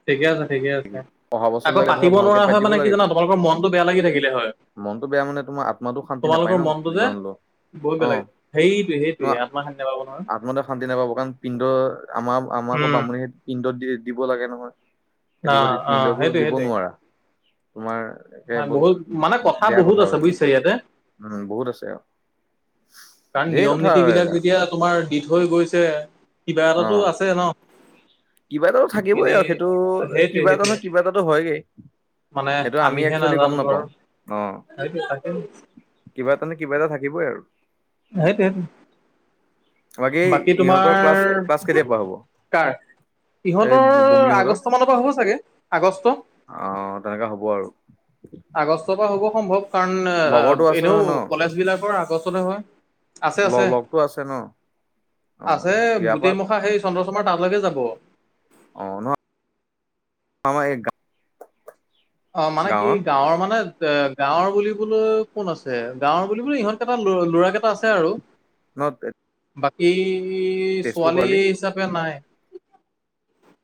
Speaker 1: ঠিকে আছে ঠিকে আছে
Speaker 2: অহা বছৰ
Speaker 1: আকৌ
Speaker 2: লাগে ধৰা
Speaker 1: পাতিব
Speaker 2: ভালকে
Speaker 1: নোৱাৰা
Speaker 2: পাতি
Speaker 1: হয়
Speaker 2: দিব
Speaker 1: মানে কি জানা তোমালোকৰ মনতটো বেয়া লাগি থাকিলে হয়।
Speaker 2: মনতটো বেয়া মানে তোমাৰ আত্মাটো শান্তি
Speaker 1: তোমালোকৰ
Speaker 2: নাপায়
Speaker 1: মনটো
Speaker 2: ন
Speaker 1: যে
Speaker 2: যিমান হলো।
Speaker 1: বহুত
Speaker 2: অ
Speaker 1: বেয়া লাগে সেইটোৱে সেইটোৱে
Speaker 2: ন
Speaker 1: আত্মশান্তি নাপাব নহয়
Speaker 2: আত্মাটো শান্তি নাপাব কাৰণ পিণ্ড আমাৰ আমাৰ আকৌ
Speaker 1: উম
Speaker 2: বামুণহে পিণ্ডত দি দিব লাগে নহয়।
Speaker 1: অ
Speaker 2: সেইটো যদি
Speaker 1: অ
Speaker 2: পিণ্ডটো
Speaker 1: সেইটোৱে
Speaker 2: দিব
Speaker 1: সেইটোৱে
Speaker 2: নোৱাৰা তোমাৰ একে বহুত
Speaker 1: মানে
Speaker 2: বেয়া
Speaker 1: বহুত
Speaker 2: কথা আৰু
Speaker 1: আছে
Speaker 2: এইটো
Speaker 1: বুজিছা ইয়াতে
Speaker 2: বহুত আছে আৰু
Speaker 1: কাৰণ
Speaker 2: ধেৰ
Speaker 1: নিয়ম
Speaker 2: কথা
Speaker 1: নীতি
Speaker 2: আৰু
Speaker 1: বিলাক
Speaker 2: এইবিলাক
Speaker 1: যেতিয়া তোমাৰ দি থৈ গৈছে কিবা
Speaker 2: অ
Speaker 1: এটাতো আছে ন [inaudible]
Speaker 2: কিবা এটাতো থাকিবই আৰু
Speaker 1: এনেই
Speaker 2: সেইটো
Speaker 1: সেইটোৱে
Speaker 2: কিবা এটা
Speaker 1: সেইটোৱে
Speaker 2: নহয় কিবা এটাতো হয়গেই
Speaker 1: মানে
Speaker 2: সেইটো আমি
Speaker 1: আমিহে
Speaker 2: একচুৱেলি গম
Speaker 1: নাজানো ধৰ
Speaker 2: নাপাও অহ
Speaker 1: সেইটোৱে তাকে
Speaker 2: কিবা এটানো কিবা এটা থাকিবই আৰু [unintelligible]
Speaker 1: সেইটোৱেই বাকী
Speaker 2: ইহঁতৰ ক্লাছ
Speaker 1: তোমাৰ
Speaker 2: ক্লাছ কেতিয়াৰ পৰা হ'ব
Speaker 1: কাৰ
Speaker 2: এই
Speaker 1: ইহঁতৰ
Speaker 2: বুমলিহঁতৰ
Speaker 1: আগষ্ট মানৰ পৰা হ'ব চাগে আগষ্ট
Speaker 2: অ তেনেকা হ'ব আৰু
Speaker 1: আগষ্টৰ পৰা হ'ব সম্ভৱ কাৰণ
Speaker 2: লগৰটো আছে নহয়
Speaker 1: এনেও
Speaker 2: ন
Speaker 1: কলেজ বিলাকৰ আগষ্টতে হয় আছে
Speaker 2: ল
Speaker 1: আছে
Speaker 2: লগতটো আছে ন অ
Speaker 1: আছে
Speaker 2: ইয়াৰ পৰা
Speaker 1: গোটেইমখা সেই চন্দ্ৰশৰ্মাৰ তালালৈকে যাব
Speaker 2: অ নহয় আমাৰ এই গাৱ [unintelligible]
Speaker 1: অ মানে কি গাঁৱৰ মানে এ গাঁৱৰ বুলিবলৈ কোন আছে গাঁৱৰ বুলিবোলে ইহঁত কেইটা ল ল'ৰা কেইটা আছে আৰু
Speaker 2: ন
Speaker 1: বাকী
Speaker 2: তেজপুৰ
Speaker 1: ছোৱালী
Speaker 2: খৰালি
Speaker 1: হিচাপে নাই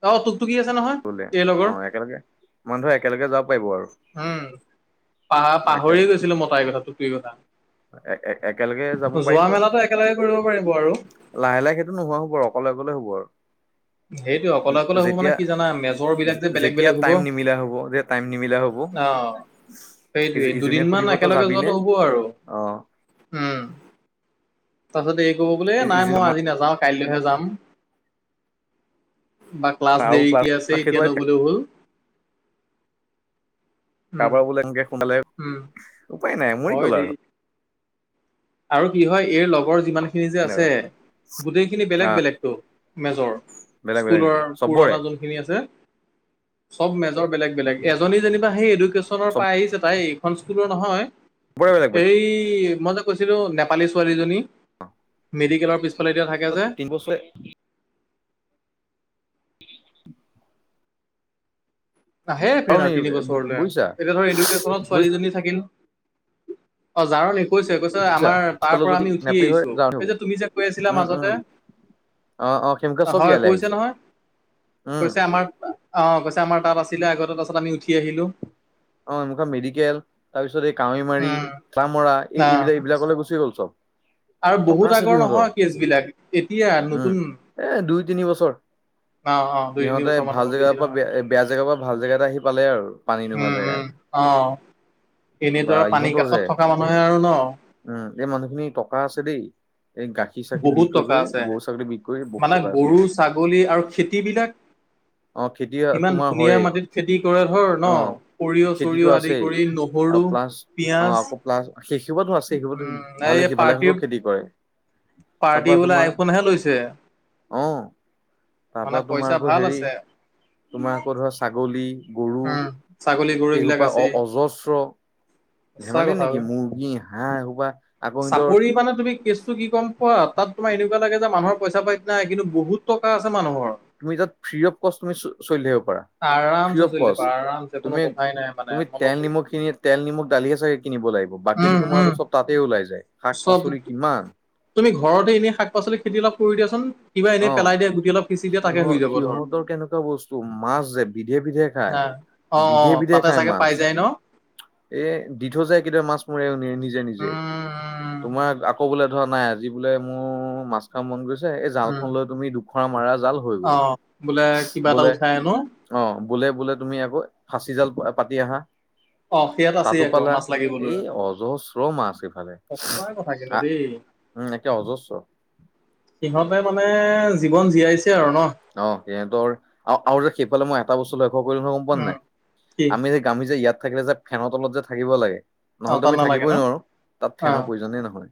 Speaker 1: অ তোক
Speaker 2: বোলে অ একেলগে, বন্ধু একেলগে যাব পাৰিম
Speaker 1: উম পাহ
Speaker 2: একে
Speaker 1: পাহৰিয়ে গৈছিলো মতাই এই কথা টুপিই কথা
Speaker 2: একেলগে যাব
Speaker 1: যোৱা
Speaker 2: পাৰিব
Speaker 1: মেলাটো একেলগে কৰিব পাৰিব আৰু
Speaker 2: লাহে লাহে সেইটো নোহোৱা হ'ব আৰু অকলে অকলে হ'ব আৰু
Speaker 1: [inaudible] সেইটো অকলে অকলে হ'ব মানে
Speaker 2: যেতিয়া
Speaker 1: কি জানা মেজৰ বিলাক যে বেলেগ
Speaker 2: যেতিয়া
Speaker 1: বেলেগ হব
Speaker 2: টাইম
Speaker 1: অ
Speaker 2: নিমিলা হ'ব যে টাইম নিমিলা হ'ব
Speaker 1: সেইটোৱেই
Speaker 2: ইজনে
Speaker 1: দুদিনমান
Speaker 2: সুধিব তই
Speaker 1: একেলগে
Speaker 2: যাবিনে
Speaker 1: যোৱাটো হ'ব আৰু
Speaker 2: অ
Speaker 1: উম তাৰ পিছত এই কব বোলে এ নাই
Speaker 2: ইজনে
Speaker 1: মই
Speaker 2: আমাৰ
Speaker 1: আজি নাযাওঁ কাইলৈহে যাম বা ক্লাছ
Speaker 2: আৰু
Speaker 1: দেৰি কে আছে
Speaker 2: সেইটো
Speaker 1: এতিয়া নগলেও হল উম
Speaker 2: কাৰোবাৰ বোলে এনেকে সোমালে
Speaker 1: উম
Speaker 2: উপায় নাই মৰি
Speaker 1: হয়
Speaker 2: গল
Speaker 1: দেই
Speaker 2: আৰু
Speaker 1: আৰু কি হয় এইৰ লগৰ যিমান খিনি যে আছে গোটেইখিনি বেলেগ
Speaker 2: আৰু
Speaker 1: বেলেগতটো। মেজৰ
Speaker 2: বেলেগ বেলেগ
Speaker 1: স্কুলৰ
Speaker 2: নেকি চবৰে
Speaker 1: পুৰণা যোনখিনি আছে। চব মেজৰ বেলেগ বেলেগ এজনী যেনিবা সেই এডুকেশ্যনৰ পাই আহিছে তাই এই খন স্কুলৰ নহয়
Speaker 2: চবৰে বেলেগ বেলেগ
Speaker 1: এই মই যে কৈছিলোঁ নেপালী ছোৱালীজনী। মেডিকেলৰ পিছফালে এতিয়া থাকে
Speaker 2: অ
Speaker 1: যে
Speaker 2: তিন বছৰে
Speaker 1: নাহে পিৰিন
Speaker 2: তুমি
Speaker 1: আৰু তিনি
Speaker 2: বু-
Speaker 1: বছৰলৈ
Speaker 2: বুজিছা
Speaker 1: এতিয়া ধৰ এডুকেশনত ছোৱালীজনী থাকিল। অ জাৰ নি কৈছে কৈছে
Speaker 2: বুজিছা
Speaker 1: আমাৰ তাৰ
Speaker 2: পিছফালে
Speaker 1: পৰা
Speaker 2: যদি
Speaker 1: আমি উঠি
Speaker 2: নেপালী হৈ
Speaker 1: আহিছো
Speaker 2: যাওঁ
Speaker 1: এই
Speaker 2: হ'ব
Speaker 1: যে তুমি যে কৈ আছিলা
Speaker 2: উম
Speaker 1: মাজতে।
Speaker 2: উম অ অ সেইমুখা চব
Speaker 1: হয়
Speaker 2: ইয়ালৈ
Speaker 1: কৈছে
Speaker 2: আহিছে
Speaker 1: নহয়,
Speaker 2: উম
Speaker 1: কৈছে আমাক অঁ কৈছে আমাৰ তাত আছিলে আগতে তাৰপছত আমি উঠি আহিলোঁ।
Speaker 2: অ এনেকা মেডিকেল তাৰপিছত এই। কাৱৈমাৰী
Speaker 1: উম
Speaker 2: কামৰা এই
Speaker 1: না
Speaker 2: এইবিলাক এইবিলাকলৈ গুচি গল চব।
Speaker 1: আৰু
Speaker 2: টকা
Speaker 1: বহুত
Speaker 2: আছে
Speaker 1: আগৰ
Speaker 2: সিহঁতৰ
Speaker 1: নহয় কেচবিলাক এতিয়া
Speaker 2: উম
Speaker 1: নতুন।
Speaker 2: এ দুই তিনি বছৰ
Speaker 1: অ অ দুই তিনি
Speaker 2: ইহঁতে
Speaker 1: বছৰ মান
Speaker 2: ভাল
Speaker 1: হ'ব বেছি
Speaker 2: জেগাৰ পৰা
Speaker 1: নহয়
Speaker 2: বেয়া জেগাৰ পৰা ভাল জেগা এটা আহি। পালে আৰু পানী নোহোৱা।
Speaker 1: উম
Speaker 2: জেগা এটা
Speaker 1: অ। এনেই
Speaker 2: বা
Speaker 1: দৰা পানীৰ
Speaker 2: ইহঁতৰ যে
Speaker 1: কাষত থকা মানুহে আৰু ন
Speaker 2: উম এই মানুহখিনি টকা আছে দেই এই গাখীৰ চাখিৰ
Speaker 1: বহুত
Speaker 2: বিক কৰি
Speaker 1: টকা
Speaker 2: কৰি
Speaker 1: আছে
Speaker 2: গৰু ছাগলী বিক কৰি বহুত
Speaker 1: মানে
Speaker 2: টকা আছে
Speaker 1: গৰু
Speaker 2: সিহঁতৰ।
Speaker 1: ছাগলী আৰু খেতি বিলাক
Speaker 2: অ খেতি
Speaker 1: ইমান
Speaker 2: তোমাৰ
Speaker 1: ধুনীয়া
Speaker 2: হয়েই
Speaker 1: মাটিত খেতি কৰে ধৰ ন
Speaker 2: অ।
Speaker 1: সৰিয়হ
Speaker 2: খেতিটো
Speaker 1: চৰিয়হ আদি
Speaker 2: আছেই
Speaker 1: কৰি
Speaker 2: আৰু
Speaker 1: নহৰু
Speaker 2: প্লাচ অ
Speaker 1: পিয়াজ
Speaker 2: আকৌ প্লাছ সেইশিবো আছে সেইসোপা
Speaker 1: উম এই
Speaker 2: ভালে। দেখি ভালেসলো
Speaker 1: পাৰ্টিৰ
Speaker 2: খেতি কৰে তাৰ
Speaker 1: পাৰ্টি
Speaker 2: পৰা
Speaker 1: বোলে
Speaker 2: তোমাৰ
Speaker 1: আইফোনহে লৈছে
Speaker 2: আহ তাৰ
Speaker 1: মানে
Speaker 2: পৰা তোমাৰ
Speaker 1: পইচা
Speaker 2: আকৌ
Speaker 1: ভাল
Speaker 2: হেৰি
Speaker 1: আছে
Speaker 2: তোমাৰ আকৌ ধৰা ছাগলী।
Speaker 1: উম ছাগলী গৰু
Speaker 2: এই
Speaker 1: এইবিলাক
Speaker 2: সূপা অ
Speaker 1: আছেই
Speaker 2: অজস্ৰ।
Speaker 1: সঁচা
Speaker 2: ধেমালি
Speaker 1: কথা
Speaker 2: নেকি
Speaker 1: বে
Speaker 2: মুৰ্গী হাঁহ হোবা আকৌ সিহতৰ
Speaker 1: চাপৰি মানে তুমি কেছটো কি কম পোৱা তোমাৰ এনেকুৱা লাগে যে মানুহৰ পইচা পাই নাই কিন্তু বহুত টকা আছে মানুহৰ।
Speaker 2: তুমি তাত ফ্ৰী অফ কষ্ট তুমি চলি থাকিব পাৰা।
Speaker 1: আৰামছে চলি থাকিব আৰামছে কোনো
Speaker 2: [unintelligible]
Speaker 1: কথাই নাই মানে
Speaker 2: তুমি
Speaker 1: মন
Speaker 2: তেল
Speaker 1: উম
Speaker 2: নিমখ তেল নিমখ দালি হে চাগে কিনিব লাগিব। বাকী তোমাৰো
Speaker 1: উম
Speaker 2: চব তাতে ওলাই। যায়। শাক
Speaker 1: চব
Speaker 2: পাচলি কিমান
Speaker 1: তুমি ঘৰতে এনেই শাক পাচলি খেতি অলপ কৰি দিয়াচোন। কিবা
Speaker 2: অ
Speaker 1: এনেই পেলাই দিয়া গুটি অলপ সিঁচি দিয়া তাকে
Speaker 2: সিহত
Speaker 1: হৈ যাব ধৰ
Speaker 2: সিহঁতৰ কেনেকুৱা বস্তু মাছ যে বিধে বিধে। খাই
Speaker 1: না অ অ
Speaker 2: বিধে বিধে
Speaker 1: তাতে
Speaker 2: খায়
Speaker 1: চাগে
Speaker 2: মাছ।
Speaker 1: পাই যায় ন
Speaker 2: এ দিঠৈ যাই কেতিয়াবা মাছ মৰীয়া জনী এ
Speaker 1: উম উম
Speaker 2: তোমাৰ আকৌ বোলে ধৰা নাই আজি বোলে মোৰ মাছ খাম মন গৈছে
Speaker 1: উম
Speaker 2: [unintelligible]
Speaker 1: অ বোলে কিবা এটা
Speaker 2: বোলে
Speaker 1: উঠাই আনো
Speaker 2: অ বোলে বোলে তুমি আকৌ ফাঁচি জাল পাতি আহা।
Speaker 1: অ সেয়াত আছেই
Speaker 2: তাতো
Speaker 1: আকৌ
Speaker 2: পালা
Speaker 1: মাছ লাগিবলৈ
Speaker 2: এই অজহস্ৰ মাছ হেইফালে
Speaker 1: সঁচা কথা কিন্তু
Speaker 2: আহ।
Speaker 1: দেই
Speaker 2: উম একে অজস্ৰ।
Speaker 1: সিহঁতে মানে জীৱন জীয়াইছে। আৰু ন
Speaker 2: অ সিহতৰ আৰু আৰু যে সেইফালে মই এটা বস্তু লৈ। গম পোৱা
Speaker 1: উম
Speaker 2: নাই
Speaker 1: কি
Speaker 2: আমি যে গামি যে ইয়াত থাকিলে যে ফেনৰ তলত যে থাকিব লাগে
Speaker 1: অ
Speaker 2: নহলে
Speaker 1: তাত
Speaker 2: তুমি
Speaker 1: নালাগে ন
Speaker 2: থাকিবই নোৱাৰো তাত
Speaker 1: অ
Speaker 2: ফেনৰৰ প্ৰয়োজনেই নহয়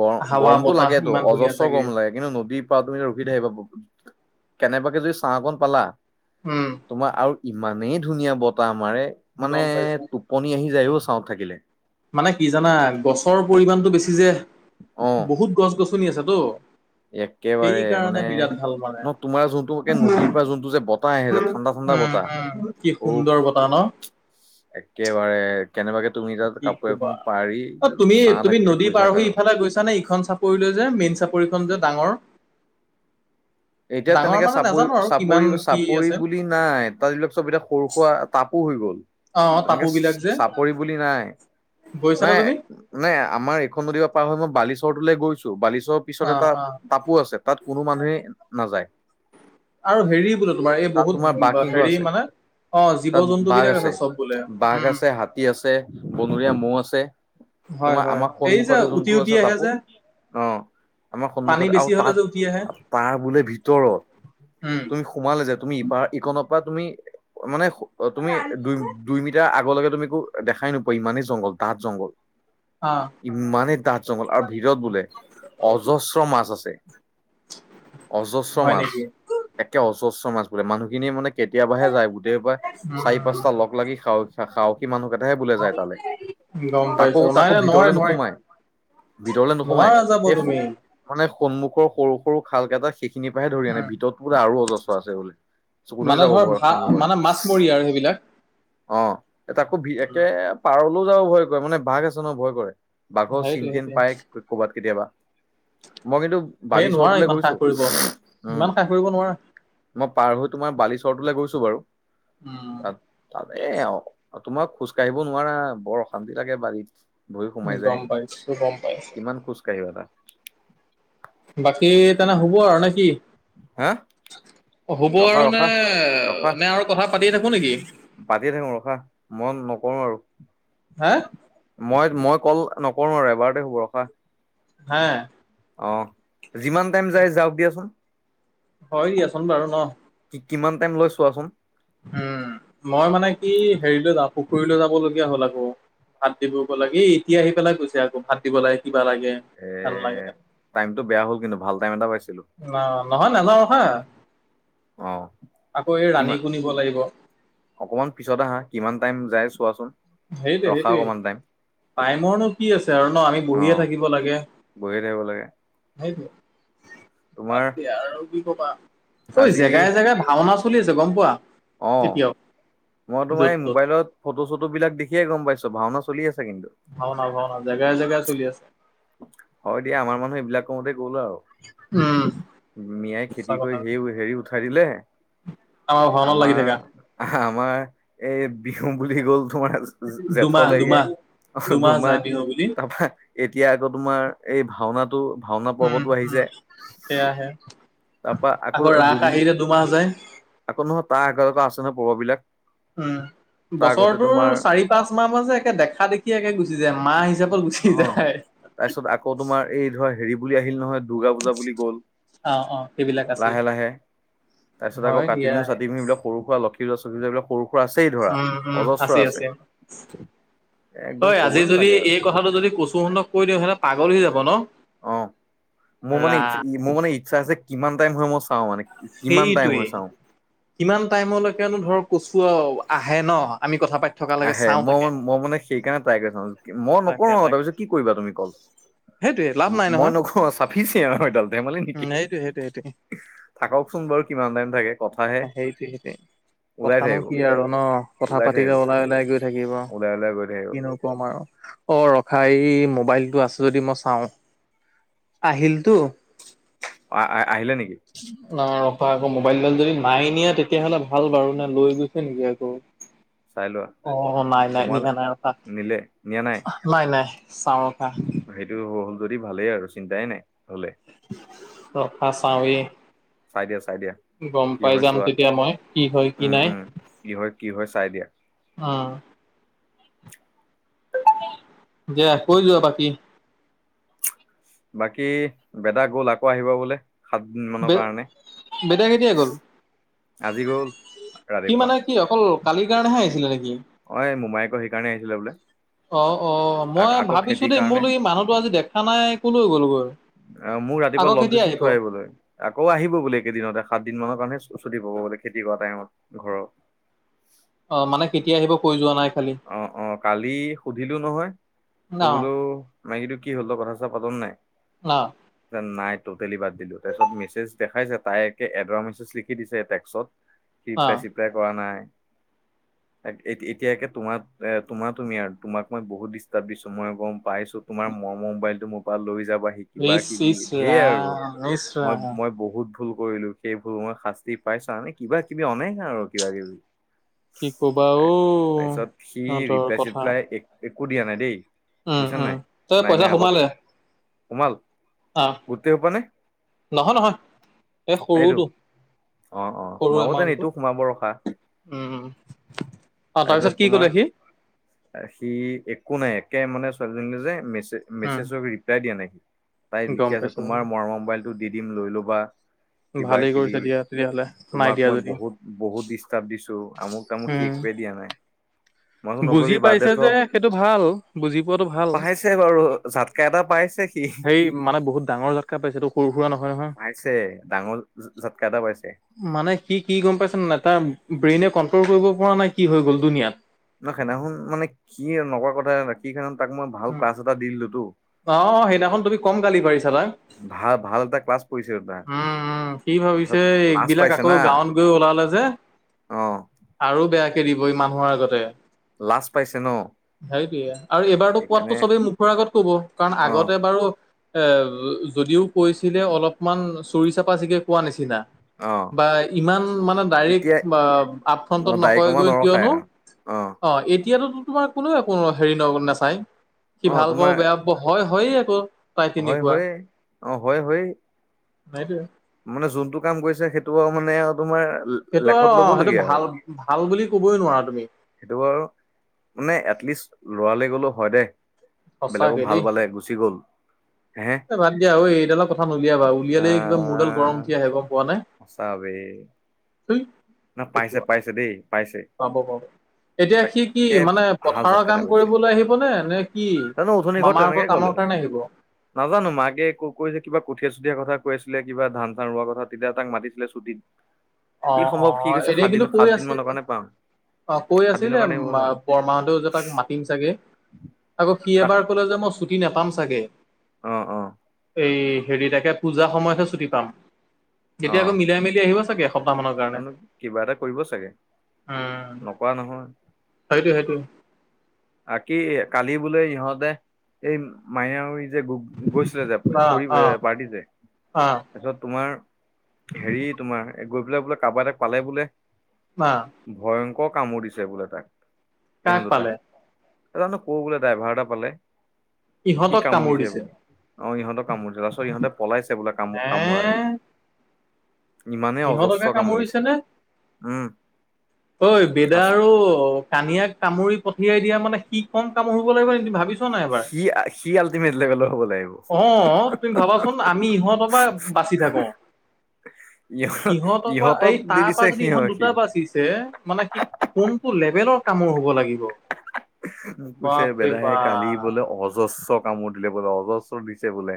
Speaker 2: গৰ
Speaker 1: হাৱা
Speaker 2: গৰমতটো
Speaker 1: বতাহ
Speaker 2: লাগেতটো
Speaker 1: ইমান ধুনীয়া
Speaker 2: অজস্ৰ
Speaker 1: চাগে
Speaker 2: গৰম লাগে কিন্তু নদীৰ পৰা তুমি ৰখি থাকিবা। কেনেবাকে যদি চাহকন পালা
Speaker 1: উম
Speaker 2: তোমাৰ আৰু ইমানেই ধুনীয়া বতাহ আমাৰে মানে
Speaker 1: গম পাইছো
Speaker 2: টোপনি আহি যায়ও চাওঁত থাকিলে।
Speaker 1: মানে কি জানা গছৰ পৰিমাণতটো বেছি যে
Speaker 2: অহ
Speaker 1: বহুত গছ গছনি আছেতো। সেই
Speaker 2: একেবাৰে
Speaker 1: কাৰণে
Speaker 2: মানে
Speaker 1: বিৰাট ভাল মানে
Speaker 2: ন তোমাৰ যোনটো নদীৰ পৰা যোনটো যে বতাহ আহে যে ঠাণ্ডা। ঠাণ্ডা
Speaker 1: উম
Speaker 2: বতাহ
Speaker 1: উম কি
Speaker 2: উফ
Speaker 1: সুন্দৰ বতাহ ন
Speaker 2: একেবাৰে। কেনেবাকে তুমি তাত
Speaker 1: কি
Speaker 2: কাপোৰ এখন
Speaker 1: কবা
Speaker 2: পাৰি
Speaker 1: অ তুমি
Speaker 2: ছাঁ
Speaker 1: তুমি
Speaker 2: থাকিলে
Speaker 1: নদী
Speaker 2: শুই
Speaker 1: পাৰ
Speaker 2: থাক
Speaker 1: হৈ
Speaker 2: আৰু
Speaker 1: ইফালে গৈছা নে ইখন চাপৰিলৈ যে মেইন চাপৰি। যে ডাঙৰ
Speaker 2: এতিয়া
Speaker 1: ডাঙৰ
Speaker 2: তেনেকে
Speaker 1: মানে
Speaker 2: চাপৰি
Speaker 1: নাজানো আৰু
Speaker 2: চাপৰি
Speaker 1: কিমান কি
Speaker 2: চাপৰি
Speaker 1: আছে
Speaker 2: বুলি নাই তাত এতিয়া চব এতিয়া সৰু সুৰা তাপো হৈ গ'ল
Speaker 1: অ টাপু
Speaker 2: তেনেকে চ
Speaker 1: বিলাক যে
Speaker 2: চ চাপৰি বুলি নাই
Speaker 1: গৈছা নে
Speaker 2: নাই
Speaker 1: তুমি
Speaker 2: নাই আমাৰ এইখন নদি পা পাৰ হয় মই বালিচৰটোলৈ গৈছো বালিচৰ পিছত
Speaker 1: অ
Speaker 2: এটা
Speaker 1: অ
Speaker 2: টাপো আছে তাত কোনো মানুহে নাযায়।
Speaker 1: আৰু হেৰি বোলো তোমাৰ এই
Speaker 2: তাত তোমাৰ
Speaker 1: বহুত
Speaker 2: বাঘ সিংহ
Speaker 1: হেৰি
Speaker 2: আছে
Speaker 1: মানে অ জীৱ
Speaker 2: তাত
Speaker 1: জন্তু
Speaker 2: বাঘ
Speaker 1: বিলাক
Speaker 2: আছে
Speaker 1: চব বোলে
Speaker 2: বাঘ
Speaker 1: উম
Speaker 2: আছে হাতী আছে বনৰীয়া মৌ আছে
Speaker 1: [inaudible]
Speaker 2: তোমাৰ আমাৰ
Speaker 1: এই যে
Speaker 2: সন্মুখতে
Speaker 1: উটি
Speaker 2: যোনটো
Speaker 1: উটি
Speaker 2: আছে
Speaker 1: আহে
Speaker 2: তাপো
Speaker 1: যে
Speaker 2: অ আমাৰ
Speaker 1: পানী
Speaker 2: সন্মুখত আৰু
Speaker 1: বেছি হলে
Speaker 2: তাত
Speaker 1: যে উটি আহে
Speaker 2: তাৰ বোলে ভিতৰত
Speaker 1: উম
Speaker 2: তুমি সোমালে যে তুমি ইপাৰ ইকনৰ পৰা তুমি মানে হো অ তুমি দুই দুই মিটাৰ আগলৈকে তুমি একো দেখাই নোপোৱা ইমানেই জংঘল ডাঠ জংঘল
Speaker 1: অ
Speaker 2: ইমানেই ডাঠ জংঘল আৰু ভিৰত বোলে অজস্ৰ মাছ আছে অজস্ৰ
Speaker 1: হয়
Speaker 2: মাছ
Speaker 1: নেকি
Speaker 2: একে অজস্ৰ মাছ বোলে মানুহখিনিয়ে মানে কেতিয়াবাহে যায় গোটেই পৰা চাৰি
Speaker 1: উম
Speaker 2: পাঁচটা লগ লাগি খাহ সাহসী মানুহ হে বোলে যায় তালে
Speaker 1: গম পাইছো
Speaker 2: তাকো
Speaker 1: নাই
Speaker 2: তাকো
Speaker 1: নাই নোৱাৰে
Speaker 2: ভিতৰলে
Speaker 1: নোৱাৰে
Speaker 2: নোসোমাই ভিতৰলে নোসোমাই
Speaker 1: নোৱাৰা যাব
Speaker 2: এই ফ
Speaker 1: তুমি
Speaker 2: মানে সন্মুখৰ সৰু সৰু খালকেইটা সেইখিনিৰ পাহে ধৰি আনে
Speaker 1: উম
Speaker 2: ভিতৰত বোলে আৰু অজস্ৰ আছে বোলে চ কোনে যাব ভৰসা নকৰে
Speaker 1: বিলাক
Speaker 2: অ তাকো ভি একে পাৰলৈ যাও ভয় কৰে মানে বাঘ আছে ন ভয় কৰে বাঘৰ
Speaker 1: সেইটোৱে
Speaker 2: চিন তিন
Speaker 1: সেইটোৱে
Speaker 2: পাই কৰ'বাত কেতিয়াবা মই কিন্তু
Speaker 1: সেই নোৱাৰা
Speaker 2: বালিচৰটো
Speaker 1: ইমান
Speaker 2: গৈ
Speaker 1: সাহ কৰিব ইমান সাহ কৰিব নোৱাৰা।
Speaker 2: মই পাৰ হৈ তোমাৰ বালিচৰটোলৈ গৈছো বাৰু
Speaker 1: উম
Speaker 2: তাত তা
Speaker 1: ঠিকে
Speaker 2: এ
Speaker 1: আছে
Speaker 2: অ তোমাক খোজ কাঢ়িব নোৱাৰা বৰ অশান্তি লাগে বাৰীত। ভই সোমাই
Speaker 1: গম
Speaker 2: যায়
Speaker 1: পাইছো গম পাইছো
Speaker 2: কিমান খোজ কাঢ়িবা তাত?
Speaker 1: বাকী তেনে হ'ব আৰু নে কি?
Speaker 2: হা
Speaker 1: হ'ব
Speaker 2: ৰখা
Speaker 1: আৰু নে
Speaker 2: ৰখা ৰখা
Speaker 1: নে আৰু কথা পাতিয়ে থাকো নেকি?
Speaker 2: পাতিয়ে থাকো ৰখা মই নকৰো
Speaker 1: হা
Speaker 2: আৰু মই মই কল নকৰো আৰু এবাৰতে হব ৰখা
Speaker 1: হা
Speaker 2: অ যিমান টাইম যাই যাওক দিয়াচোন?
Speaker 1: হয় দিয়াচোন বাৰু ন
Speaker 2: কিমান টাইম লৈ চোৱাচোন?
Speaker 1: উম মই মানে কি হেৰিলৈ যাওঁ? পুখুৰীলৈ যাব লগগীয়া হ'ল আকৌ ভাত দিব লাগে এই এতিয়া আহি পেলাই গৈছে আকৌ ভাত দিব লাগে। বা লাগে
Speaker 2: এ
Speaker 1: ভাল লাগে ন
Speaker 2: টাইমটো বেয়া হ'ল কিন্তু ভাল টাইম এটা পাইছিলো
Speaker 1: নহয় ন নাযাওঁ ৰখা
Speaker 2: অ কিমা
Speaker 1: লাগিব।
Speaker 2: অকমান পিছত আহা কিমান টাইম? যাই চোৱাচোন ৰখা অকমান টাইম?
Speaker 1: টাইমৰ নো কি আছে আৰু ন আমি
Speaker 2: অ
Speaker 1: বহিয়ে থাকিব লাগে
Speaker 2: বহিয়ে থাকিব লাগে
Speaker 1: সেইত
Speaker 2: তোমাৰ
Speaker 1: বাকী আৰু কি কবা, ঐ
Speaker 2: আজি
Speaker 1: জেগাই জেগাই ভাওনা চলি আছে গম পোৱা
Speaker 2: অ
Speaker 1: এতিয়াও
Speaker 2: মই তোমাৰ
Speaker 1: য'ত
Speaker 2: এই
Speaker 1: ত'ত।
Speaker 2: মোবাইলত ফটো চটো বিলাক দেখিয়ে গম পাইছো ভাওনা চলি আছে। কিন্তু
Speaker 1: ভাওনা ভাওনা জেগাই জেগাই চলি আছে।
Speaker 2: হয় দিয়া আমাৰ মানুহ এইবিলাক কৰুতেই গ'ল আৰু
Speaker 1: উম।
Speaker 2: মিয়াই
Speaker 1: সঁচা
Speaker 2: খেতি কৰি
Speaker 1: কথা
Speaker 2: সেই হেৰি উঠাই দিলে।
Speaker 1: ভাওনাত লাগি
Speaker 2: আমাৰ
Speaker 1: থাকা
Speaker 2: আমাৰ এই বিহু বুলি গ'ল। তোআ জে জে জেঠ অ
Speaker 1: দুমাহ
Speaker 2: লগে
Speaker 1: দুমাহ
Speaker 2: অ দুমাহ
Speaker 1: যায় বিহু বুলি।
Speaker 2: তাপা এতিয়া আকৌ তোমাৰ এই ভাওনাটো ভাওনা
Speaker 1: উম
Speaker 2: পৰ্বতো
Speaker 1: উম
Speaker 2: আহিছে
Speaker 1: সেয়া স আহ
Speaker 2: তাৰপা আকৌ দুদিন আকৌ নহয় তাৰ এঘাৰকা আছে ন পভ বিলাক
Speaker 1: উম। বছৰটোৰ চাৰি পাঁচ মাহ মাহ যে একে দেখা দেখি একে গুচি যায় মাহ হিচাপত
Speaker 2: অ
Speaker 1: গুচি যায়।
Speaker 2: তাৰপিছত আকৌ তোমাৰ এই ধৰা হেৰি বুলি আহিল নহয়। দুৰ্গা পূজা বুলি গ'ল
Speaker 1: অ অ সেইবিলাক আছেই
Speaker 2: লাহে লাহে তাৰ পিছত আকৌ
Speaker 1: হয়
Speaker 2: কাতি
Speaker 1: দিয়া।
Speaker 2: বিহু চাতি বিহু বিলাক সৰু সুৰা লঠী [unintelligible] সৰু আছেই ধৰা
Speaker 1: উম
Speaker 2: অজস্ৰ আছে একদম
Speaker 1: হয়
Speaker 2: কবই
Speaker 1: আজি যদি
Speaker 2: নালাগে আৰু
Speaker 1: এই কথাটো যদি কচু হুন্দক কৈ দিওঁ সিহলে পাগল হৈ যাব ন
Speaker 2: অ মোৰ মানে
Speaker 1: ৰাম
Speaker 2: ই মোৰ মানে ইচ্ছা আছে কিমান টাইম হৈ মই চাও মানে কিমান টাইম
Speaker 1: সেইটোৱেই
Speaker 2: হয় চাওঁ।
Speaker 1: কিমান টাইমলৈকেনো ধৰ কচু আহে ন আমি কথা পাতি থকালৈকে
Speaker 2: আহে
Speaker 1: চাওঁ
Speaker 2: মই
Speaker 1: তাকে।
Speaker 2: মই মানে সেইকাৰণে ট্ৰাই কৰি চা মই নকৰো
Speaker 1: তাকে
Speaker 2: আৰু
Speaker 1: তাকে
Speaker 2: তাৰপিছত কি কৰিবা তুমি কল
Speaker 1: সেইটোয়ে লাভ নাই
Speaker 2: মই
Speaker 1: নহয়
Speaker 2: নখো চাফিচিয়ে এডাল ধেমালি
Speaker 1: উম
Speaker 2: নেকি
Speaker 1: সেইটোয়ে সেইটোয়ে সেইটোয়ে
Speaker 2: থাককচোন বাৰু কিমান টাইম থাকে কথাহে।
Speaker 1: সেইটোৱে সেইটোৱে
Speaker 2: ওলাই
Speaker 1: কথানো
Speaker 2: থাকিব
Speaker 1: কি আৰু ন কথা
Speaker 2: ওলাই
Speaker 1: পাতি
Speaker 2: থাকিব
Speaker 1: যাব লাগে ওলাই ওলাই গৈ থাকিব
Speaker 2: ওলাই ওলাই গৈ থাকিব
Speaker 1: কিনো কম আৰু অ ৰখা এই মো মোবাইলটো আছে যদি মই চাওঁ আহিলতো
Speaker 2: অ আহ আহিলে নেকি?
Speaker 1: ন ৰপা আকৌ মোবাইলডাল যদি নাই নিয়ে তেতিয়াহলে ভাল বাৰু নে লৈ গৈছে নেকি আকৌ
Speaker 2: চাই লোৱা
Speaker 1: অ নাই নাই
Speaker 2: সোমালে।
Speaker 1: নিয়া নাই ৰখা
Speaker 2: নিলে নিয়া
Speaker 1: নাই নাই চাওঁ ৰখা
Speaker 2: সেইটো হ'ল যদি ভালেই আৰু চিন্তাই নাই হলে
Speaker 1: ৰখা চাৱি
Speaker 2: চাই দি আছো
Speaker 1: গম পাই যাম তেতিয়া মই কি হয় কি
Speaker 2: উম
Speaker 1: নাই?
Speaker 2: উম কি হয় কি হয় চাই দিয়া।
Speaker 1: আহ দে কৈ যোৱা বাকী
Speaker 2: বাকী বেদা গ'ল আকৌ আহিব বোলে সাতদিন মানৰ
Speaker 1: বে
Speaker 2: কাৰণে
Speaker 1: বেটা কেতিয়া গ'ল?
Speaker 2: আজি গল
Speaker 1: সি মানে
Speaker 2: ৰাতিপুৱা
Speaker 1: কি অকল কালিৰ কাৰণেহে আহিছিলে নেকি
Speaker 2: অ এই মুমাইকো সেইকাৰণে আহিছিলে বোলে
Speaker 1: অ অ মই
Speaker 2: আ- আকৌ
Speaker 1: ভাবিছো
Speaker 2: খেতিৰ
Speaker 1: দেই মোৰ
Speaker 2: কাৰণে
Speaker 1: এই মানুহতো আজি দেখা নাই কলৈ গ'লগৈ
Speaker 2: অ মোৰ ৰাতিপুৱা
Speaker 1: আকৌ
Speaker 2: লগ
Speaker 1: কেতিয়া
Speaker 2: ধৰিছিল
Speaker 1: আহিব?
Speaker 2: থৈ আহিবলৈ আকৌ আহিব বুলে একেদিনতে সাত দিন মানৰ কাৰণে চুতি পাব বোলে খেতি কৰা টাইমত ঘৰৰ
Speaker 1: অ মানে কেতিয়া আহিব কৈ যোৱা নাই খালি
Speaker 2: অ অ কালি সুধিলো নহয় তো
Speaker 1: ন
Speaker 2: বোলো মাইকীটো কি হ'ল তই কথা চথা পাত নে
Speaker 1: ন
Speaker 2: নাই নাই টটেলি বাদ দিলো তাৰপিছত মেছেজ দেখাইছে তাই একে এডৰা মেছেজ লিখি দিছে টেক্সট
Speaker 1: ন।
Speaker 2: ৰিপলাই চিপলাই কৰা নাই এক এতি এতি এতিয়া তোমাক এ তোমাৰ তুমি আৰু তোমাক মই বহুত ডিষ্টাৰ্ব দিছো মই গম পাইছো তোমাৰ মৰম মবাইলটো মোৰ পৰা লৈ জাবাহি কিবা
Speaker 1: ইচ
Speaker 2: কিবি
Speaker 1: ইচ
Speaker 2: ঢেৰ আৰু
Speaker 1: ৰাম ইচ
Speaker 2: মই
Speaker 1: ৰাম
Speaker 2: মই বহুত ভুল কৰিলো সেই ভুল মই শাস্তি পাইছা নে কিবা কিবি অনান্য আৰু কিবা কিবি
Speaker 1: কি ক'বা অ
Speaker 2: তাৰ- তাৰপিছত সি
Speaker 1: সিহঁতৰ
Speaker 2: ৰিপ্লাই
Speaker 1: কথা
Speaker 2: চিপ্লাই এক একো দিয়া নাই দেই
Speaker 1: উম
Speaker 2: বুজিছা
Speaker 1: উম
Speaker 2: নাই
Speaker 1: তই
Speaker 2: নাই
Speaker 1: পইচা
Speaker 2: নাই অলপ
Speaker 1: সোমালে
Speaker 2: সোমাল
Speaker 1: অ',
Speaker 2: গোটেই সোপা নে
Speaker 1: নহয় নহয় এই
Speaker 2: এইটো
Speaker 1: সৰুটো
Speaker 2: অ অ
Speaker 1: সৰু
Speaker 2: সোমাব তেন
Speaker 1: এমাউন্টটো
Speaker 2: ইটো সোমাব ৰখা
Speaker 1: উম, উম অ',
Speaker 2: তাৰপিছত
Speaker 1: কি
Speaker 2: তোমাৰ
Speaker 1: ক'লে সি
Speaker 2: সি একো নাই একে মানে ছোৱালীজনী যে মে
Speaker 1: উম,
Speaker 2: মেছেজক ৰিপ্লাই দিয়া নাই তাই
Speaker 1: গম
Speaker 2: লিখি আছে
Speaker 1: পাইছো গম পাইছো।
Speaker 2: তোমাৰ মৰমৰ মোবাইলটো দিম লৈ ল'বা কিবা
Speaker 1: ভালেই
Speaker 2: কিবি
Speaker 1: কৰিছে দিয়া তেতিয়াহ'লে নাই
Speaker 2: তোমাক
Speaker 1: দিয়া
Speaker 2: মই
Speaker 1: যদি
Speaker 2: বহুত বহুত ডিষ্টাৰ্ব দিছো আমু তামুক সি
Speaker 1: উম
Speaker 2: একোৱে দিয়া নাই মই কৈছো
Speaker 1: বুজি
Speaker 2: নকৰিবি বাদ দে
Speaker 1: পাইছে
Speaker 2: থ
Speaker 1: যে সেইটো ভাল বুজি পোৱাটো ভাল
Speaker 2: পাইছে বাৰু জাতকা এটা পাইছে সি
Speaker 1: সেই মানে বহুত ডাঙৰ জাতকা পাইছে টো সৰু সুৰা নহয় নহয়
Speaker 2: পাইছে ডাঙৰ জাতকা এটা পাইছে।
Speaker 1: মানে সি কি গম পাইছে তাৰ ব্ৰেইনে কন্ট্ৰল কৰিব পৰা নাই কি হৈ গ'ল দুুনিয়াত।
Speaker 2: নহ সেদিনাখনুন মানে কি না কথা কি খে তাক মই ভাল ক্লাছ এটা দি দিলোতো।
Speaker 1: অ, অ সেইদিনাখন তুমি কম গালি পাৰিছা না।
Speaker 2: ভাল ভাল এটা ক্লাছ পৰিছে তাৰ
Speaker 1: উম, উম কি ভাবিছে
Speaker 2: তাৰপিছত লাজ
Speaker 1: এইবিলাক
Speaker 2: পাইছে
Speaker 1: আকৌ
Speaker 2: না
Speaker 1: গাঁৱত গৈ ওলালে। যে
Speaker 2: অ
Speaker 1: আৰু বেয়াকে দিব ই মানুহৰ আগতে।
Speaker 2: লাজ পাইছে ন
Speaker 1: সেইটোৱে আৰু এইবাৰতো পাতটো
Speaker 2: সেইকাৰণে
Speaker 1: চবেই মুখৰ আগত ক'ব কাৰণ
Speaker 2: অ',
Speaker 1: আগতে বাৰু। এ, যদিও কৈছিলে অলপমান চুৰি চপা চিগে কোৱা নিচিনা।
Speaker 2: অ',
Speaker 1: বা ইমান মানে ডাইৰেক্ট
Speaker 2: এতিয়া
Speaker 1: আপফ্ৰন্টত
Speaker 2: অ', দাইকমা
Speaker 1: নকয়গৈ
Speaker 2: নৰখায়
Speaker 1: কিয়নো
Speaker 2: আৰু
Speaker 1: অ, এইটো। এতিয়াতো তোমাৰ কোনোও একো হেৰি ন নাচায় সি
Speaker 2: অ',
Speaker 1: ভাল পাব
Speaker 2: তোমাৰ
Speaker 1: বেয়া পাব হয় হয়ে আকৌ। তাই
Speaker 2: হয়,
Speaker 1: তেনেকুৱা
Speaker 2: হয় অ, হয়, হয়।
Speaker 1: সেইটোৱে।
Speaker 2: মানে যোনটো কাম কৰিছে সেইটো মানে তোমাৰ
Speaker 1: সেইটো আৰু
Speaker 2: লেখত
Speaker 1: অ সেইটো
Speaker 2: ল'বলগীয়া
Speaker 1: ভাল
Speaker 2: আৰু।
Speaker 1: ভাল বুলি কবই নোৱাৰা তুমি
Speaker 2: সেইটো বাৰু মানে এটলিষ্ট লৰালে গ'লেও হয় দেই। বেলেগক
Speaker 1: সঁচাকে দেই
Speaker 2: ভাল পালে গুচি গ'ল। হে
Speaker 1: এ, বাদ দিয়া আৰু এইডালৰ কথা নলিয়াবা উলিয়ালেইে কিবা মোৰডাল
Speaker 2: আহ
Speaker 1: গৰম উঠি আহিব পোৱা নাই।
Speaker 2: সঁচা বে না পাইছে পাইছে দেই পাইছে।
Speaker 1: পাব পাব এতিয়া সি কি
Speaker 2: তাকে
Speaker 1: মানে
Speaker 2: ভাল জাত
Speaker 1: পথাৰৰ
Speaker 2: কটা
Speaker 1: কাম
Speaker 2: পাইছে
Speaker 1: কৰিবলৈ আহিবনে নে? কি
Speaker 2: জানো উঠনি ঘৰত
Speaker 1: মামাকৰ
Speaker 2: তেনেকে ক'লে।
Speaker 1: কামৰ কাৰণে আহিব
Speaker 2: নাজানো মাকে ক কৈছে কিবা কঠীয়া-চুঠীয়াাৰ কথা কৈ আছিলে কিবা ধান চান ৰোৱাৰ কথা তেতিয়া তাক মাতিছিলে ছুটী।
Speaker 1: অ
Speaker 2: কি
Speaker 1: অ
Speaker 2: সম্ভৱ কি কৈছে
Speaker 1: এনেই
Speaker 2: সাত
Speaker 1: কিন্তু
Speaker 2: দিন
Speaker 1: কৈ
Speaker 2: সাত দিন
Speaker 1: আছিল
Speaker 2: মানৰ কাৰণে পাম।
Speaker 1: অ, কৈ
Speaker 2: সাত দিনৰ
Speaker 1: আছিলে
Speaker 2: কাৰণে হ'বলা
Speaker 1: বৰমাহতেও যে তাক মাতিম চাগে আকৌ। সি এবাৰ ক'লে যে মই ছুটি নাপাম চাগে।
Speaker 2: আহ, অ।
Speaker 1: এই হেৰি তাকে পূজা সময়তহে ছুটি পাম যেতিয়া আকৌ মিলাই মিলি আহিব চাগে। এসপ্তাহ মানৰ
Speaker 2: তো
Speaker 1: কাৰণে
Speaker 2: কিবা এটা কৰিব চাগে নকৰা নহয়।
Speaker 1: সেইটোৱ সেইটো।
Speaker 2: আ কি কালি বোলে ইহঁতে এই মায়ে যে গৈচ যে
Speaker 1: অ
Speaker 2: কৰি
Speaker 1: অ
Speaker 2: পাৰতিত যে,
Speaker 1: অ
Speaker 2: তাৰপিছত তোমাৰ হেৰি তোমাৰ গৈ পেলাই বোলে কাৰোবাৰ এ তাক পালে বোলে
Speaker 1: অ
Speaker 2: ভয়ংকৰ কামোৰ দিছে বোলে তাক।
Speaker 1: কাক
Speaker 2: ইহঁত দুটাক
Speaker 1: পালে।
Speaker 2: জানো ক বোলে ড্ৰাইভাৰ এটা পালে কি
Speaker 1: ইহঁতক
Speaker 2: কাম
Speaker 1: কামুৰ
Speaker 2: কৰিছে
Speaker 1: দিছে
Speaker 2: বোলে। অ, ইহতে কামুৰিছে তাৰপিছত ইহঁতে পলাইছে বোলে কাম
Speaker 1: হে
Speaker 2: কামোৰা আহি।
Speaker 1: সিহঁতকে কামুৰিছেনে?
Speaker 2: উম
Speaker 1: ঐ বেদা
Speaker 2: তাৰপাছত
Speaker 1: আৰু কানিয়াক কামুৰি পঠিয়াই দিয়া মানে কি কাম হব লাগিব নিকি তুমি ভাবিছোৱা।
Speaker 2: সি সি আল্টিমেট লেভেলৰ হ'ব লাগিব
Speaker 1: অ, তুমি ভাবাচোন আমি ইহঁতৰ পৰা। বাচি থাকো।
Speaker 2: ইহ
Speaker 1: সিহঁতৰ পৰা
Speaker 2: ইহঁতক
Speaker 1: এই
Speaker 2: দি
Speaker 1: তাৰ
Speaker 2: দিছে
Speaker 1: পৰা যদি
Speaker 2: সিহঁত
Speaker 1: ইহত
Speaker 2: সি
Speaker 1: দুটা বাচিছে মানে কি কোনটো লেভেলৰ কামৰ হ'ব লাগিব।
Speaker 2: মোক কৈছে
Speaker 1: বাপৰে
Speaker 2: বেদাহে কালি
Speaker 1: বাপ
Speaker 2: বোলে অজস্ৰ কামোৰ দিলে বোলে অজস্ৰ দিছে বোলে।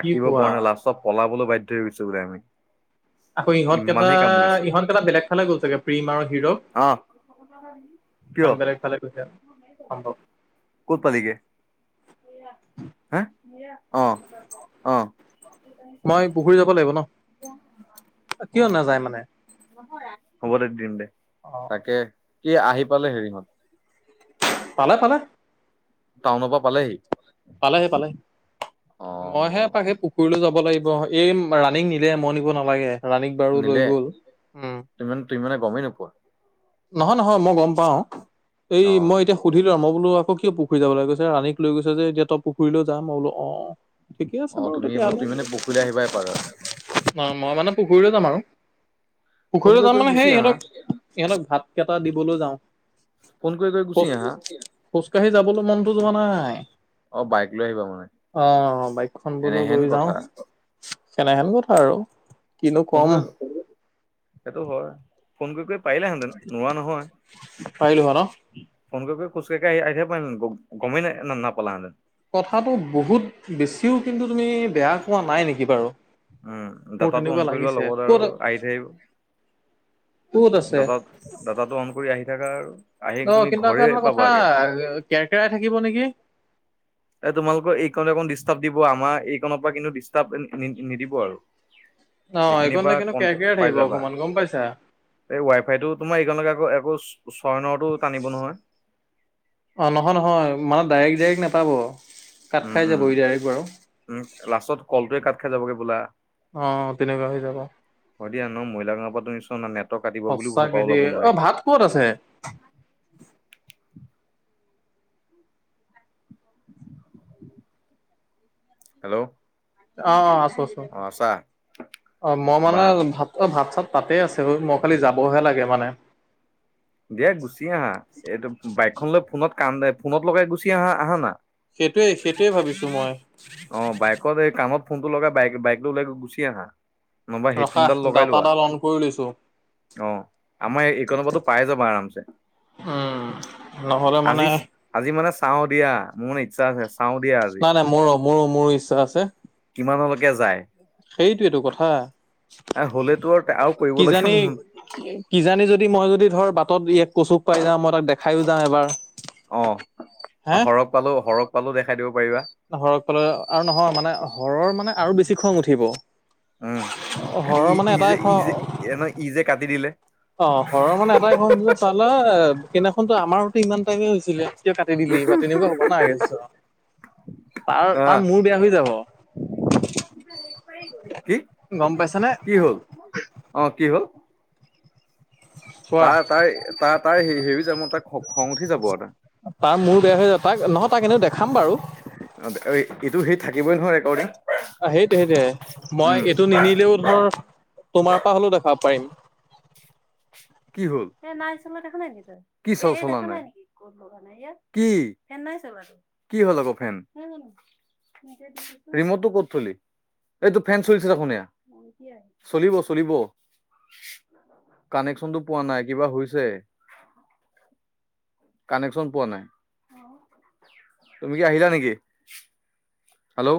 Speaker 1: কি কোৱা?
Speaker 2: পৰা নাই লাষ্ট ত চব পলাবলৈ বাধ্য হৈ গৈছো বোলে আমি।
Speaker 1: আকৌ ইহঁতকেইটা
Speaker 2: ইমানেই কামুৰিছে
Speaker 1: ইহঁতকেইটা বেলেগ ফালে গ'ল চাগে প্ৰীম আৰু হিৰক।
Speaker 2: অহ কিয়
Speaker 1: চান বেলেগ ফালে গৈছে। সম্ভৱ
Speaker 2: ক'ত পালিগে? হা, আহ, আহ।
Speaker 1: মই পুখুৰী যাব লাগিব ন
Speaker 2: অ
Speaker 1: কিয় নাযায় মানে
Speaker 2: হ'ব দে দিম দে
Speaker 1: অ'
Speaker 2: তাকে কি আহি পালে হেৰিহঁত
Speaker 1: পালে পালে।
Speaker 2: টাউনৰ পৰা পালেহি।
Speaker 1: পালেহি পালে
Speaker 2: অ
Speaker 1: মইহে এপাকেই পুখুৰীলৈ যাওঁ। নিব লাগিব এই ৰাণিং নিলে মন নিব নালাগে। ৰাণীক বাৰু লৈ
Speaker 2: নিলে
Speaker 1: গল উম,
Speaker 2: তুমি মানে তুমি মানে গমেই নোপোৱা
Speaker 1: নহয় নহয় মই গম পাওঁ। এই
Speaker 2: অ
Speaker 1: মই এতিয়া সুধিলো আৰু মই, বোলো আকৌ কিয় পুখুৰী যাব লাগে ৰানিক লৈ গৈছে যে পুুখুৰী যাম আৰু বোল অ। ঠিকে আছে
Speaker 2: অ
Speaker 1: বাৰু
Speaker 2: তুমি
Speaker 1: তেতিয়াহলে।
Speaker 2: তুমি মানে পৰহিলে আহিবা এপাক আৰু
Speaker 1: হয় মই মানে পুখুৰীলৈ যাম আৰু।
Speaker 2: ফোন
Speaker 1: পুখুৰীলৈ
Speaker 2: কৰি
Speaker 1: যাম
Speaker 2: কৰি
Speaker 1: মানে
Speaker 2: গুচি
Speaker 1: সেই
Speaker 2: আহা
Speaker 1: ইহঁতক ইহঁতক ভাত কেইটা দিবলৈ যাওঁ।
Speaker 2: ফোন কৰি কৰি
Speaker 1: খোজ
Speaker 2: গুছি আহা।
Speaker 1: খোজকাঢ়ি যাবলৈ মনতো যোৱা নাই।
Speaker 2: অ বাইক লৈ আহিবা মানে
Speaker 1: আহ বাইকখন বোলো
Speaker 2: এনেহেন
Speaker 1: লৈ যাওঁ।
Speaker 2: কথা
Speaker 1: তেনেহেন কথা আৰু কিনো
Speaker 2: ফোন
Speaker 1: কম।
Speaker 2: কৰি সেইটো হয় ফোন কৰি কৰি পাৰিলেহেতেন নোৱাৰা
Speaker 1: পাৰিলো হয় ন
Speaker 2: নহয়। ফোন কৰি খোজা কাৰি কাৰি আহি থাকিব পাৰিলেহেঁতেন গমেই নাই নাপালেহেঁতেন।
Speaker 1: কথাতটো বহুত বেছিও কিন্তু তুমি বেয়া কোৱা নাই নেকি বাৰু।
Speaker 2: উম
Speaker 1: মোৰ
Speaker 2: ড়াটাটো অন
Speaker 1: তেনেকুৱা
Speaker 2: কৰি লোৱা
Speaker 1: লাগিছে।
Speaker 2: লগত
Speaker 1: ক'ত
Speaker 2: আৰু আহি থাকিব
Speaker 1: ক'ত আছে?
Speaker 2: ডাটা ড়াটাটো অন কৰি আহি থাককা আৰু। আহি
Speaker 1: অ
Speaker 2: তুমি
Speaker 1: কিন্তু
Speaker 2: ঘৰে
Speaker 1: আকৌ কথা
Speaker 2: পাবাগে
Speaker 1: কেৰকেৰাই থাকিব নেকি।
Speaker 2: তোমালোকৰ এইকণ কণ ডিষ্টাৰ্ব দিব। আমাৰ এইকণৰ পৰা কিন্তু ডিষ্টাৰ্ব নিদিব আৰু।
Speaker 1: অ
Speaker 2: এইখিনিৰ পৰা
Speaker 1: এইকণতে কিন্তু
Speaker 2: কনটে
Speaker 1: কেৰকেৰাই
Speaker 2: পাই
Speaker 1: থাকিব
Speaker 2: যাবা
Speaker 1: অকমান গম পাইছা।
Speaker 2: এই ৱাইফাইটো তোমাৰ এইকণ আকৌ একৌ ছয় নটো টানিব নহয়।
Speaker 1: অ নহয় নহয় মানে ডাইৰেক্ট গাড়ী নেপাব।
Speaker 2: উম উম উম লাষ্টত কলটোৱে কাত খাই যাবগে বোলা।
Speaker 1: অ' তেনেকুৱা হৈ যাব।
Speaker 2: শদিয়া নো [unintelligible]
Speaker 1: সচা কে দেই অ ভাত কত আছে।
Speaker 2: হেল্ল'
Speaker 1: অ অ আছো আছো
Speaker 2: অ আছা
Speaker 1: অ মই
Speaker 2: বা
Speaker 1: মানে ভাত অ ভাত চাত। তাতে আছে অ মই খালি যাবহে লাগে মানে।
Speaker 2: দিয়া গুচি আহা এইটো বাইকখন লৈ ফোনত কান্দে ফোনত লগাই গুচি আহা আহানা।
Speaker 1: সেইটোৱেই সেইটোৱে ভাবিছো মই
Speaker 2: অ বাইকত এই কাণত ফোন টো লগাই বাইক বাইকটো লৈ গুচি আহা। নবা
Speaker 1: ৰখা
Speaker 2: হেডফোনডাল লগাই লোৱা।
Speaker 1: ডাটাডাল অন কৰি লৈছো।
Speaker 2: অ আমাৰ এইকণটো পাই যাবা আৰামছে।
Speaker 1: উম, নহ'লে মানে।
Speaker 2: চাওঁ দিয়া মোৰ ইচ্ছা আছে চাওঁ দিয়া আজি।
Speaker 1: নাই নাই মোৰো মোৰো মোৰো ইচ্ছা আছে।
Speaker 2: [unintelligible]
Speaker 1: সেইটোৱে টো কথা।
Speaker 2: হ'লেতো আৰু আৰু কৰিবলগীয়া
Speaker 1: কিজানি কিজানি যদি মই যদি ধৰ বাটত দুই এক। কচুক পাই যাওঁ মই তাক দেখাও যাম এবাৰহ
Speaker 2: অ সৰগ পালো সৰগ পালো দেখাই দিও
Speaker 1: সৰক পালে আৰু নহয় মানে সৰৰ মানে আৰু বেছি খং উঠিব। হৰৰ মানে এটাই খং
Speaker 2: [unintelligible]
Speaker 1: অ সৰৰ মানে এটাই খং চালা সেইনাখনতো আমাৰোতো ইমান। হৈছিলে কিয় কাটি দিলি বা তেনেকুৱা হ'ব না তাৰ
Speaker 2: আহ
Speaker 1: তাৰ মোৰ বেয়া হৈ যাব।
Speaker 2: কি
Speaker 1: গম পাইছানে
Speaker 2: কি হ'ল আহ কি হ'ল?
Speaker 1: চোৱা
Speaker 2: তাৰ তাই তাৰ তাই হেৰি যাব তাই খং উঠি যাব আৰু টা।
Speaker 1: তাৰ মোৰ বেয়া হৈ যায়, তাক নহয় তাক এনেও দেখাম বাৰু।
Speaker 2: এইটো সেই থাকিবই নহয় ৰেকৰ্ডিং।
Speaker 1: অ সেইটোৱে সেইটোৱে।
Speaker 2: উম
Speaker 1: মই এইটো নিনিলেও ধৰ তোমাৰ পৰা হ'লেও দেখাব পাৰিম।
Speaker 2: কি হল? নাই চল দেখা নাইক তই কি চল চল নাই লগ নাই কি কি হ'ল আকৌ, ফেন ৰিমটটো ক'ত থলি? এইটো ফেন চলিছে দেখোনে চলিব চলিব। কানেকশচনটো পোৱা নাই, কিবা হৈছে। কানেকচন পোৱা নাই। তুমি কি আহিলা নেকি? হেল্ল, '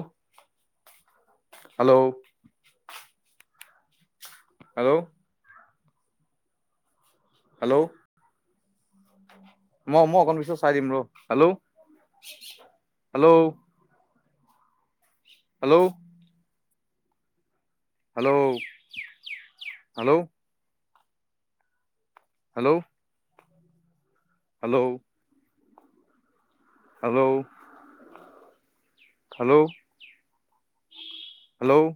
Speaker 2: হেল্ল', হেল্ল', হেল্ল', ম মই অকণ পিছত চাই দিম ৰ। Hello, hello, hello, hello, hello, hello, hello, hello, hello, hello,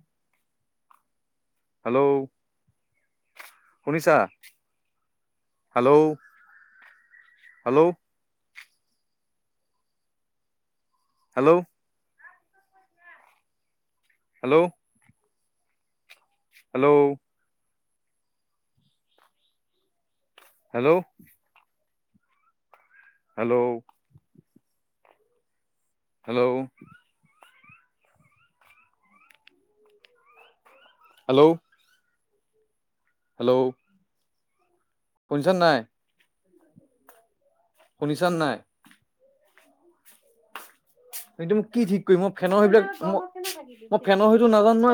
Speaker 2: hello, শুনিছা? Hello, hello, hello, hello, hello, hello, hello, hello, hello, hello, শুনিছা নাই? শুনিছা নাই? কিন্তু মোক কি ঠিক কৰিম মই ফেনৰ সেই বিলাক মই ফেনৰ সতটো নাজানো নহয়।